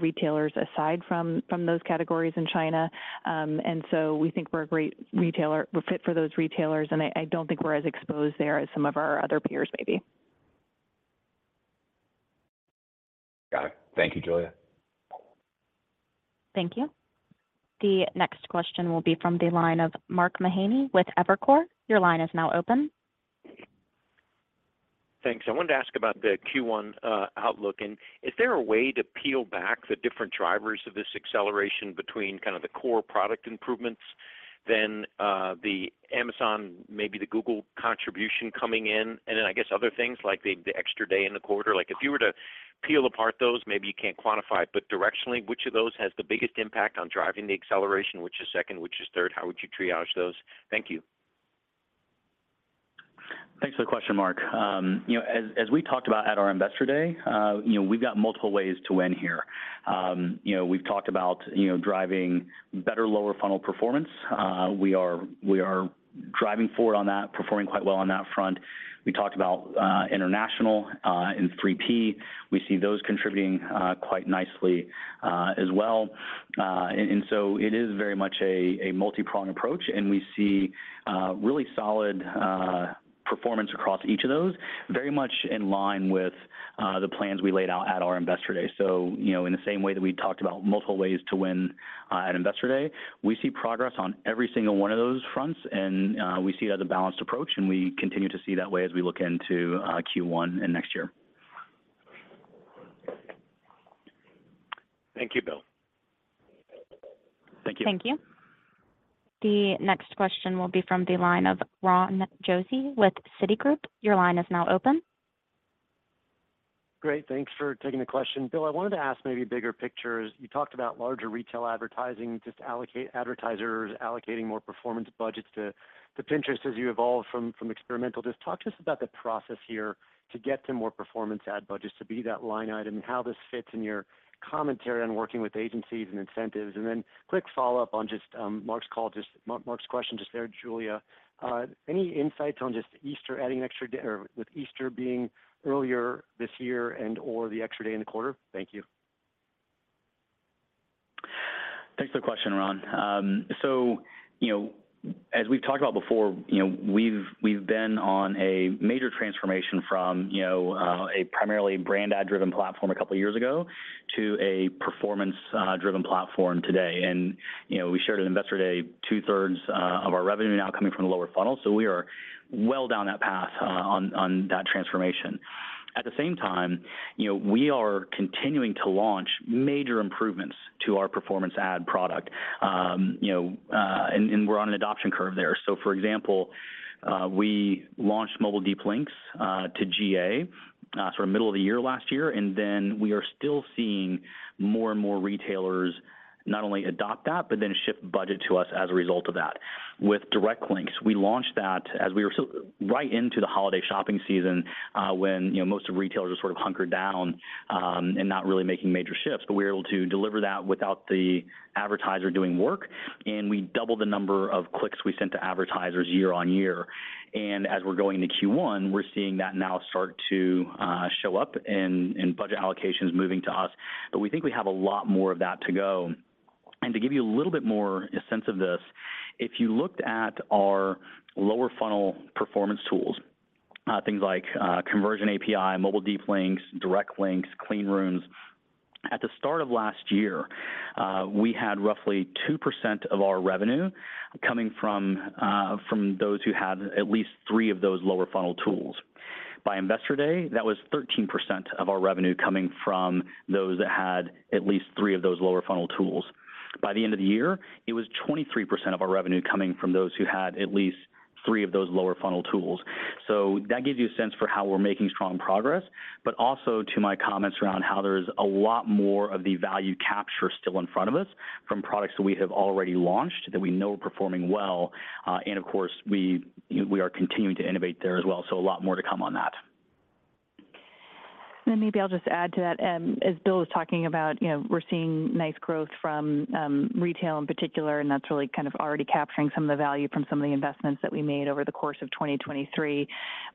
retailers aside from those categories in China. And so we think we're a great fit for those retailers, and I don't think we're as exposed there as some of our other peers maybe. Got it. Thank you, Julia. Thank you. The next question will be from the line of Mark Mahaney with Evercore. Your line is now open. Thanks. I wanted to ask about the Q1 outlook. And is there a way to peel back the different drivers of this acceleration between kind of the core product improvements than the Amazon, maybe the Google contribution coming in, and then I guess other things like the extra day in the quarter? If you were to peel apart those, maybe you can't quantify it, but directionally, which of those has the biggest impact on driving the acceleration, which is second, which is third? How would you triage those? Thank you. Thanks for the question, Mark. As we talked about at our Investor Day, we've got multiple ways to win here. We've talked about driving better lower funnel performance. We are driving forward on that, performing quite well on that front. We talked about international in 3P. We see those contributing quite nicely as well. And so it is very much a multi-pronged approach, and we see really solid performance across each of those, very much in line with the plans we laid out at our Investor Day. So in the same way that we talked about multiple ways to win at Investor Day, we see progress on every single one of those fronts, and we see it as a balanced approach, and we continue to see that way as we look into Q1 and next year. Thank you, Bill. Thank you. Thank you. The next question will be from the line of Ron Josey with Citigroup. Your line is now open. Great. Thanks for taking the question. Bill, I wanted to ask maybe bigger pictures. You talked about larger retail advertising, just advertisers allocating more performance budgets to Pinterest as you evolve from experimental. Just talk to us about the process here to get to more performance ad budgets, to be that line item, and how this fits in your commentary on working with agencies and incentives. And then quick follow-up on just Mark's call, just Mark's question just there, Julia. Any insights on just Easter adding an extra day or with Easter being earlier this year and/or the extra day in the quarter? Thank you. Thanks for the question, Ron. So as we've talked about before, we've been on a major transformation from a primarily brand ad-driven platform a couple of years ago to a performance-driven platform today. And we shared at Investor Day, two-thirds of our revenue now coming from the lower funnel. So we are well down that path on that transformation. At the same time, we are continuing to launch major improvements to our performance ad product. And we're on an adoption curve there. So for example, we launched mobile deep links to GA sort of middle of the year last year, and then we are still seeing more and more retailers not only adopt that, but then shift budget to us as a result of that. With direct links, we launched that as we were right into the holiday shopping season when most of retailers were sort of hunkered down and not really making major shifts. But we were able to deliver that without the advertiser doing work, and we doubled the number of clicks we sent to advertisers year-over-year. And as we're going into Q1, we're seeing that now start to show up in budget allocations moving to us. But we think we have a lot more of that to go. And to give you a little bit more a sense of this, if you looked at our lower funnel performance tools, things like Conversion API, mobile deep links, direct links, clean rooms, at the start of last year, we had roughly 2% of our revenue coming from those who had at least three of those lower funnel tools. By investor day, that was 13% of our revenue coming from those that had at least three of those lower funnel tools. By the end of the year, it was 23% of our revenue coming from those who had at least three of those lower funnel tools. So that gives you a sense for how we're making strong progress, but also to my comments around how there's a lot more of the value capture still in front of us from products that we have already launched that we know are performing well. Of course, we are continuing to innovate there as well. A lot more to come on that. Then maybe I'll just add to that. As Bill was talking about, we're seeing nice growth from retail in particular, and that's really kind of already capturing some of the value from some of the investments that we made over the course of 2023.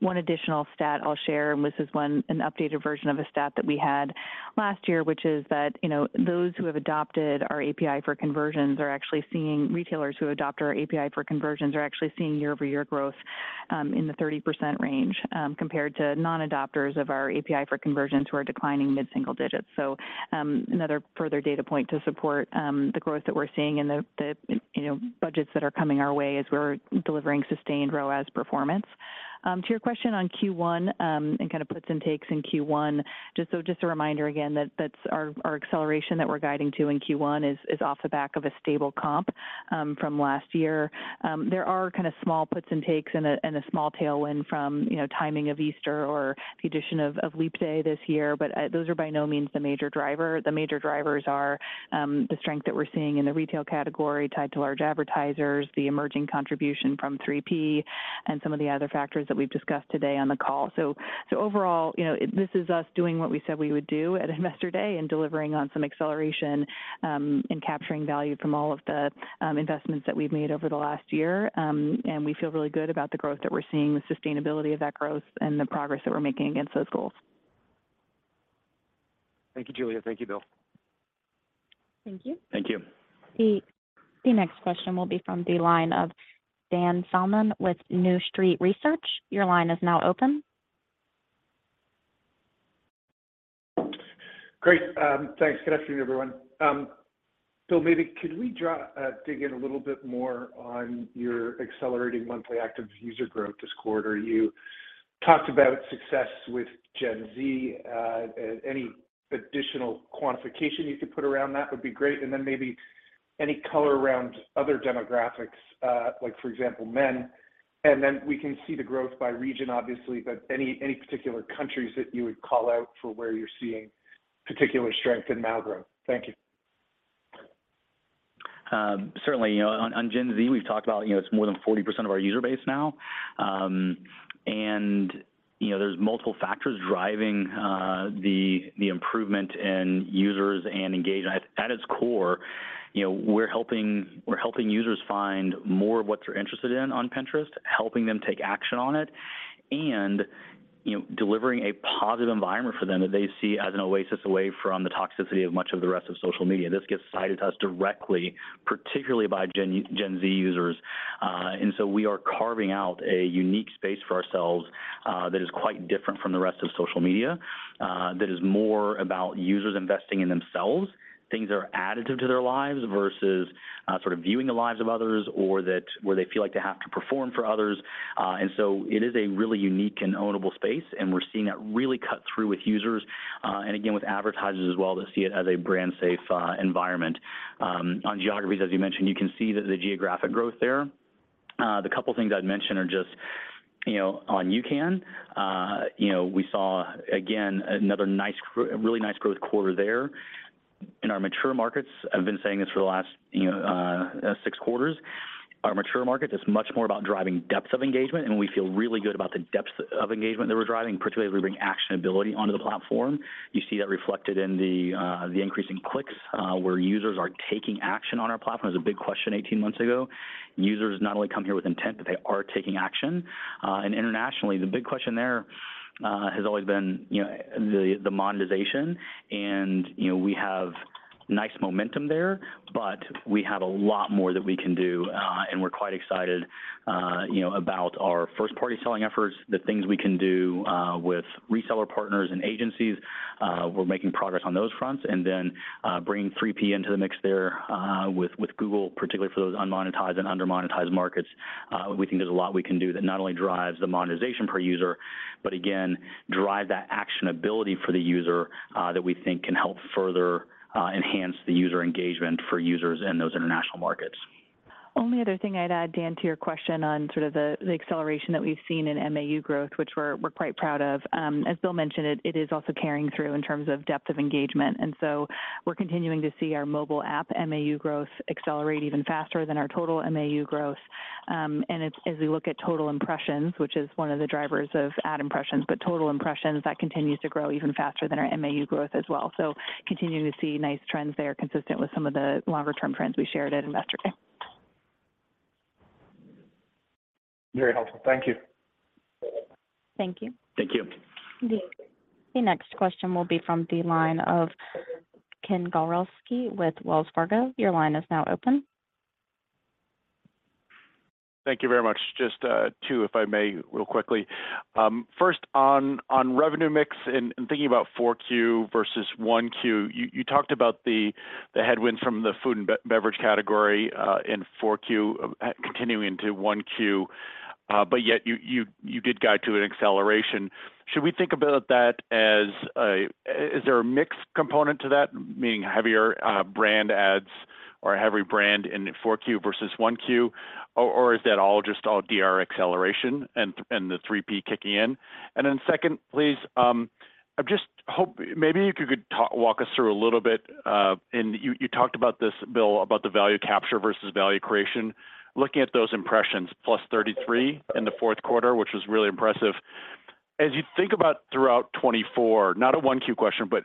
One additional stat I'll share, and this is an updated version of a stat that we had last year, which is that those who have adopted our API for Conversions are actually seeing retailers who adopt our API for Conversions are actually seeing year-over-year growth in the 30% range compared to non-adopters of our API for Conversions who are declining mid-single digits. So another further data point to support the growth that we're seeing in the budgets that are coming our way as we're delivering sustained ROAS performance. To your question on Q1 and kind of puts and takes in Q1, just a reminder again that our acceleration that we're guiding to in Q1 is off the back of a stable comp from last year. There are kind of small puts and takes and a small tailwind from timing of Easter or the addition of Leap Day this year, but those are by no means the major driver. The major drivers are the strength that we're seeing in the retail category tied to large advertisers, the emerging contribution from 3P, and some of the other factors that we've discussed today on the call. So overall, this is us doing what we said we would do at investor day and delivering on some acceleration and capturing value from all of the investments that we've made over the last year. We feel really good about the growth that we're seeing, the sustainability of that growth, and the progress that we're making against those goals. Thank you, Julia. Thank you, Bill. Thank you. Thank you. The next question will be from the line of Dan Salmon with New Street Research. Your line is now open. Great. Thanks. Good afternoon, everyone. Bill, maybe could we dig in a little bit more on your accelerating monthly active user growth this quarter? You talked about success with Gen Z. Any additional quantification you could put around that would be great. And then maybe any color around other demographics, like for example, men. Then we can see the growth by region, obviously, but any particular countries that you would call out for where you're seeing particular strength in MAU growth. Thank you. Certainly. On Gen Z, we've talked about it. It's more than 40% of our user base now. There's multiple factors driving the improvement in users and engagement. At its core, we're helping users find more of what they're interested in on Pinterest, helping them take action on it, and delivering a positive environment for them that they see as an oasis away from the toxicity of much of the rest of social media. This gets cited to us directly, particularly by Gen Z users. We are carving out a unique space for ourselves that is quite different from the rest of social media, that is more about users investing in themselves, things that are additive to their lives versus sort of viewing the lives of others or where they feel like they have to perform for others. It is a really unique and ownable space, and we're seeing that really cut through with users and again with advertisers as well that see it as a brand-safe environment. On geographies, as you mentioned, you can see the geographic growth there. The couple of things I'd mention are just on UCAN. We saw, again, another really nice growth quarter there. In our mature markets, I've been saying this for the last six quarters, our mature markets, it's much more about driving depth of engagement, and we feel really good about the depth of engagement that we're driving, particularly bringing actionability onto the platform. You see that reflected in the increasing clicks where users are taking action on our platform. It was a big question 18 months ago. Users not only come here with intent, but they are taking action. Internationally, the big question there has always been the monetization. We have nice momentum there, but we have a lot more that we can do. We're quite excited about our first-party selling efforts, the things we can do with reseller partners and agencies. We're making progress on those fronts. And then bringing 3P into the mix there with Google, particularly for those unmonetized and under-monetized markets, we think there's a lot we can do that not only drives the monetization per user, but again, drive that actionability for the user that we think can help further enhance the user engagement for users in those international markets. Only other thing I'd add, Dan, to your question on sort of the acceleration that we've seen in MAU growth, which we're quite proud of. As Bill mentioned, it is also carrying through in terms of depth of engagement. And so we're continuing to see our mobile app MAU growth accelerate even faster than our total MAU growth. And as we look at total impressions, which is one of the drivers of ad impressions, but total impressions, that continues to grow even faster than our MAU growth as well. So continuing to see nice trends there consistent with some of the longer-term trends we shared at investor day. Very helpful. Thank you. Thank you. Thank you. The next question will be from the line of Ken Gawrelski with Wells Fargo. Your line is now open. Thank you very much. Just two, if I may, real quickly. First, on revenue mix and thinking about 4Q versus 1Q, you talked about the headwinds from the food and beverage category in 4Q continuing into 1Q. But yet you did guide to an acceleration. Should we think about that as is there a mixed component to that, meaning heavier brand ads or a heavy brand in 4Q versus 1Q? Or is that all just all DR acceleration and the 3P kicking in? And then second, please, I just hope maybe you could walk us through a little bit. You talked about this, Bill, about the value capture versus value creation. Looking at those impressions +33% in the fourth quarter, which was really impressive. As you think about throughout 2024, not a Q1 question, but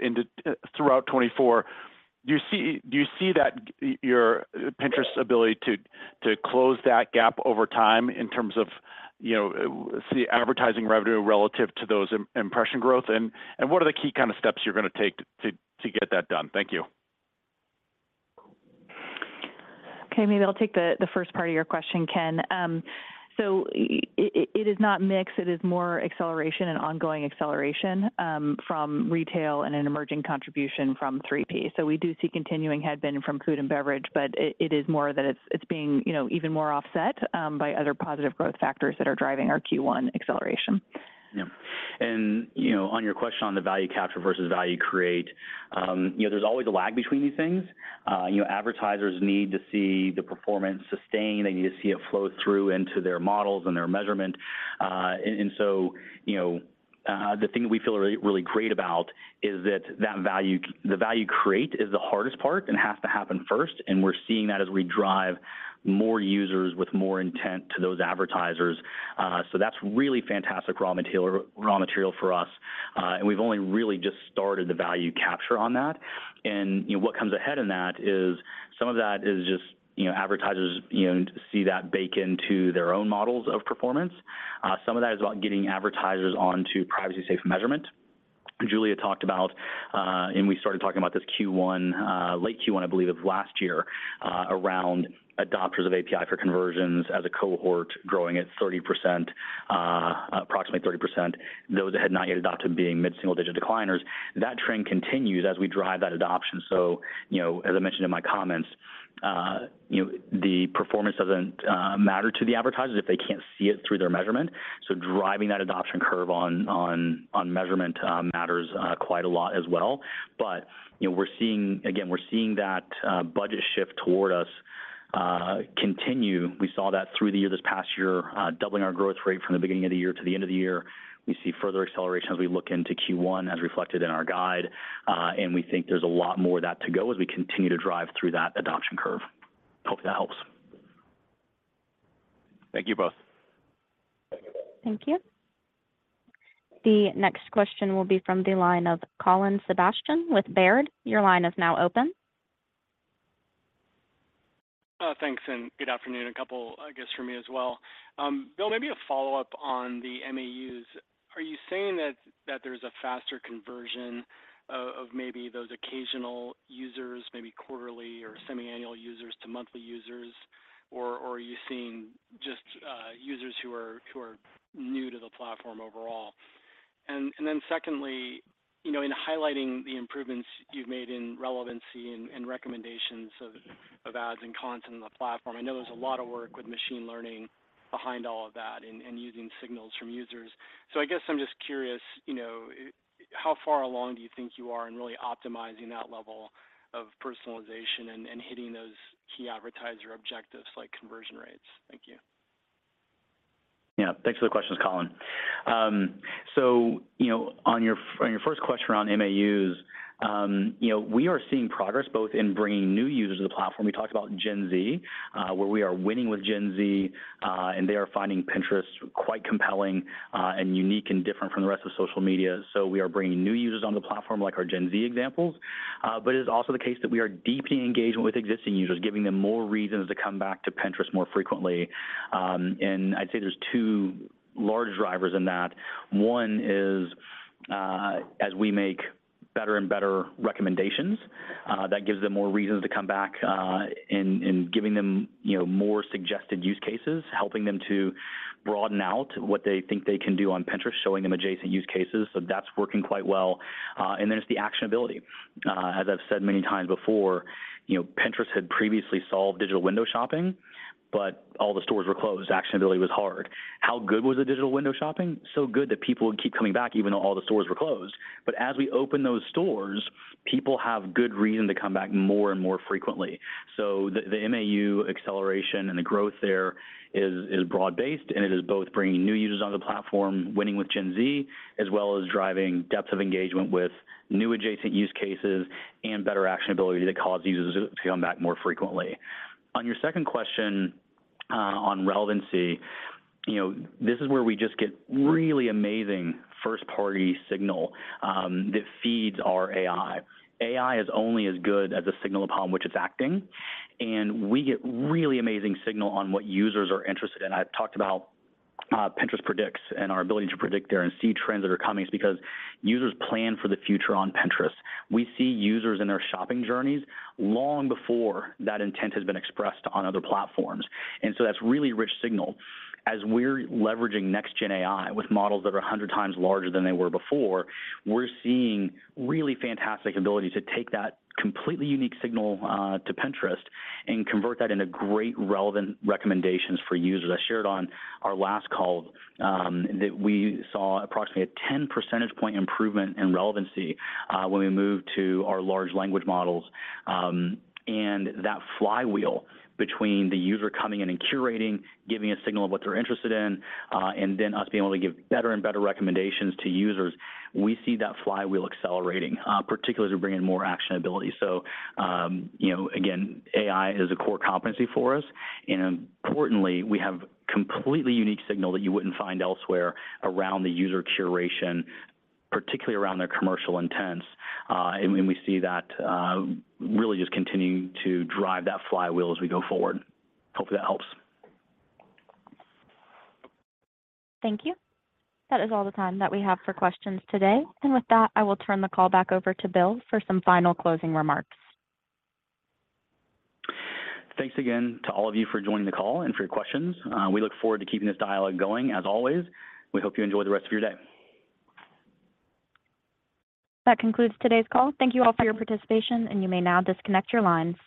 throughout 2024, do you see Pinterest's ability to close that gap over time in terms of CPC advertising revenue relative to those impression growth? And what are the key kind of steps you're going to take to get that done? Thank you. Okay, maybe I'll take the first part of your question, Ken. So it is not mixed. It is more acceleration and ongoing acceleration from retail and an emerging contribution from 3P. So we do see continuing headwind from food and beverage, but it is more that it's being even more offset by other positive growth factors that are driving our Q1 acceleration. Yeah. And on your question on the value capture versus value create, there's always a lag between these things. Advertisers need to see the performance sustained. They need to see it flow through into their models and their measurement. And so the thing that we feel really great about is that the value create is the hardest part and has to happen first. And we're seeing that as we drive more users with more intent to those advertisers. So that's really fantastic raw material for us. And we've only really just started the value capture on that. And what comes ahead in that is some of that is just advertisers see that baked into their own models of performance. Some of that is about getting advertisers onto privacy-safe measurement. Julia talked about, and we started talking about this Q1, late Q1, I believe, of last year around adopters of API for Conversions as a cohort growing at approximately 30%, those that had not yet adopted being mid-single digit decliners. That trend continues as we drive that adoption. So as I mentioned in my comments, the performance doesn't matter to the advertisers if they can't see it through their measurement. So driving that adoption curve on measurement matters quite a lot as well. But again, we're seeing that budget shift toward us continue. We saw that through the year this past year, doubling our growth rate from the beginning of the year to the end of the year. We see further acceleration as we look into Q1 as reflected in our guide. We think there's a lot more of that to go as we continue to drive through that adoption curve. Hopefully, that helps. Thank you both. Thank you. The next question will be from the line of Colin Sebastian with Baird. Your line is now open. Thanks and good afternoon. A couple, I guess, from me as well. Bill, maybe a follow-up on the MAUs. Are you saying that there's a faster conversion of maybe those occasional users, maybe quarterly or semiannual users to monthly users? Or are you seeing just users who are new to the platform overall? And then secondly, in highlighting the improvements you've made in relevancy and recommendations of ads and content on the platform, I know there's a lot of work with machine learning behind all of that and using signals from users. So I guess I'm just curious, how far along do you think you are in really optimizing that level of personalization and hitting those key advertiser objectives like conversion rates? Thank you. Yeah, thanks for the questions, Colin. So on your first question around MAUs, we are seeing progress both in bringing new users to the platform. We talked about Gen Z, where we are winning with Gen Z, and they are finding Pinterest quite compelling and unique and different from the rest of social media. So we are bringing new users on the platform like our Gen Z examples. But it is also the case that we are deepening engagement with existing users, giving them more reasons to come back to Pinterest more frequently. And I'd say there's two large drivers in that. One is as we make better and better recommendations, that gives them more reasons to come back and giving them more suggested use cases, helping them to broaden out what they think they can do on Pinterest, showing them adjacent use cases. So that's working quite well. And then it's the actionability. As I've said many times before, Pinterest had previously solved digital window shopping, but all the stores were closed. Actionability was hard. How good was the digital window shopping? So good that people would keep coming back even though all the stores were closed. But as we open those stores, people have good reason to come back more and more frequently. So the MAU acceleration and the growth there is broad-based, and it is both bringing new users onto the platform, winning with Gen Z, as well as driving depth of engagement with new adjacent use cases and better actionability that causes users to come back more frequently. On your second question on relevance, this is where we just get really amazing first-party signal that feeds our AI. AI is only as good as a signal upon which it's acting. And we get really amazing signal on what users are interested in. I've talked about Pinterest Predicts and our ability to predict there and see trends that are coming because users plan for the future on Pinterest. We see users in their shopping journeys long before that intent has been expressed on other platforms. And so that's really rich signal. As we're leveraging next-gen AI with models that are 100 times larger than they were before, we're seeing really fantastic ability to take that completely unique signal to Pinterest and convert that into great relevant recommendations for users. I shared on our last call that we saw approximately a 10 percentage point improvement in relevancy when we moved to our large language models. And that flywheel between the user coming in and curating, giving a signal of what they're interested in, and then us being able to give better and better recommendations to users, we see that flywheel accelerating, particularly as we're bringing more actionability. So again, AI is a core competency for us. And importantly, we have completely unique signal that you wouldn't find elsewhere around the user curation, particularly around their commercial intents. And we see that really just continuing to drive that flywheel as we go forward. Hopefully, that helps. Thank you. That is all the time that we have for questions today. And with that, I will turn the call back over to Bill for some final closing remarks. Thanks again to all of you for joining the call and for your questions. We look forward to keeping this dialogue going as always. We hope you enjoy the rest of your day. That concludes today's call. Thank you all for your participation, and you may now disconnect your lines.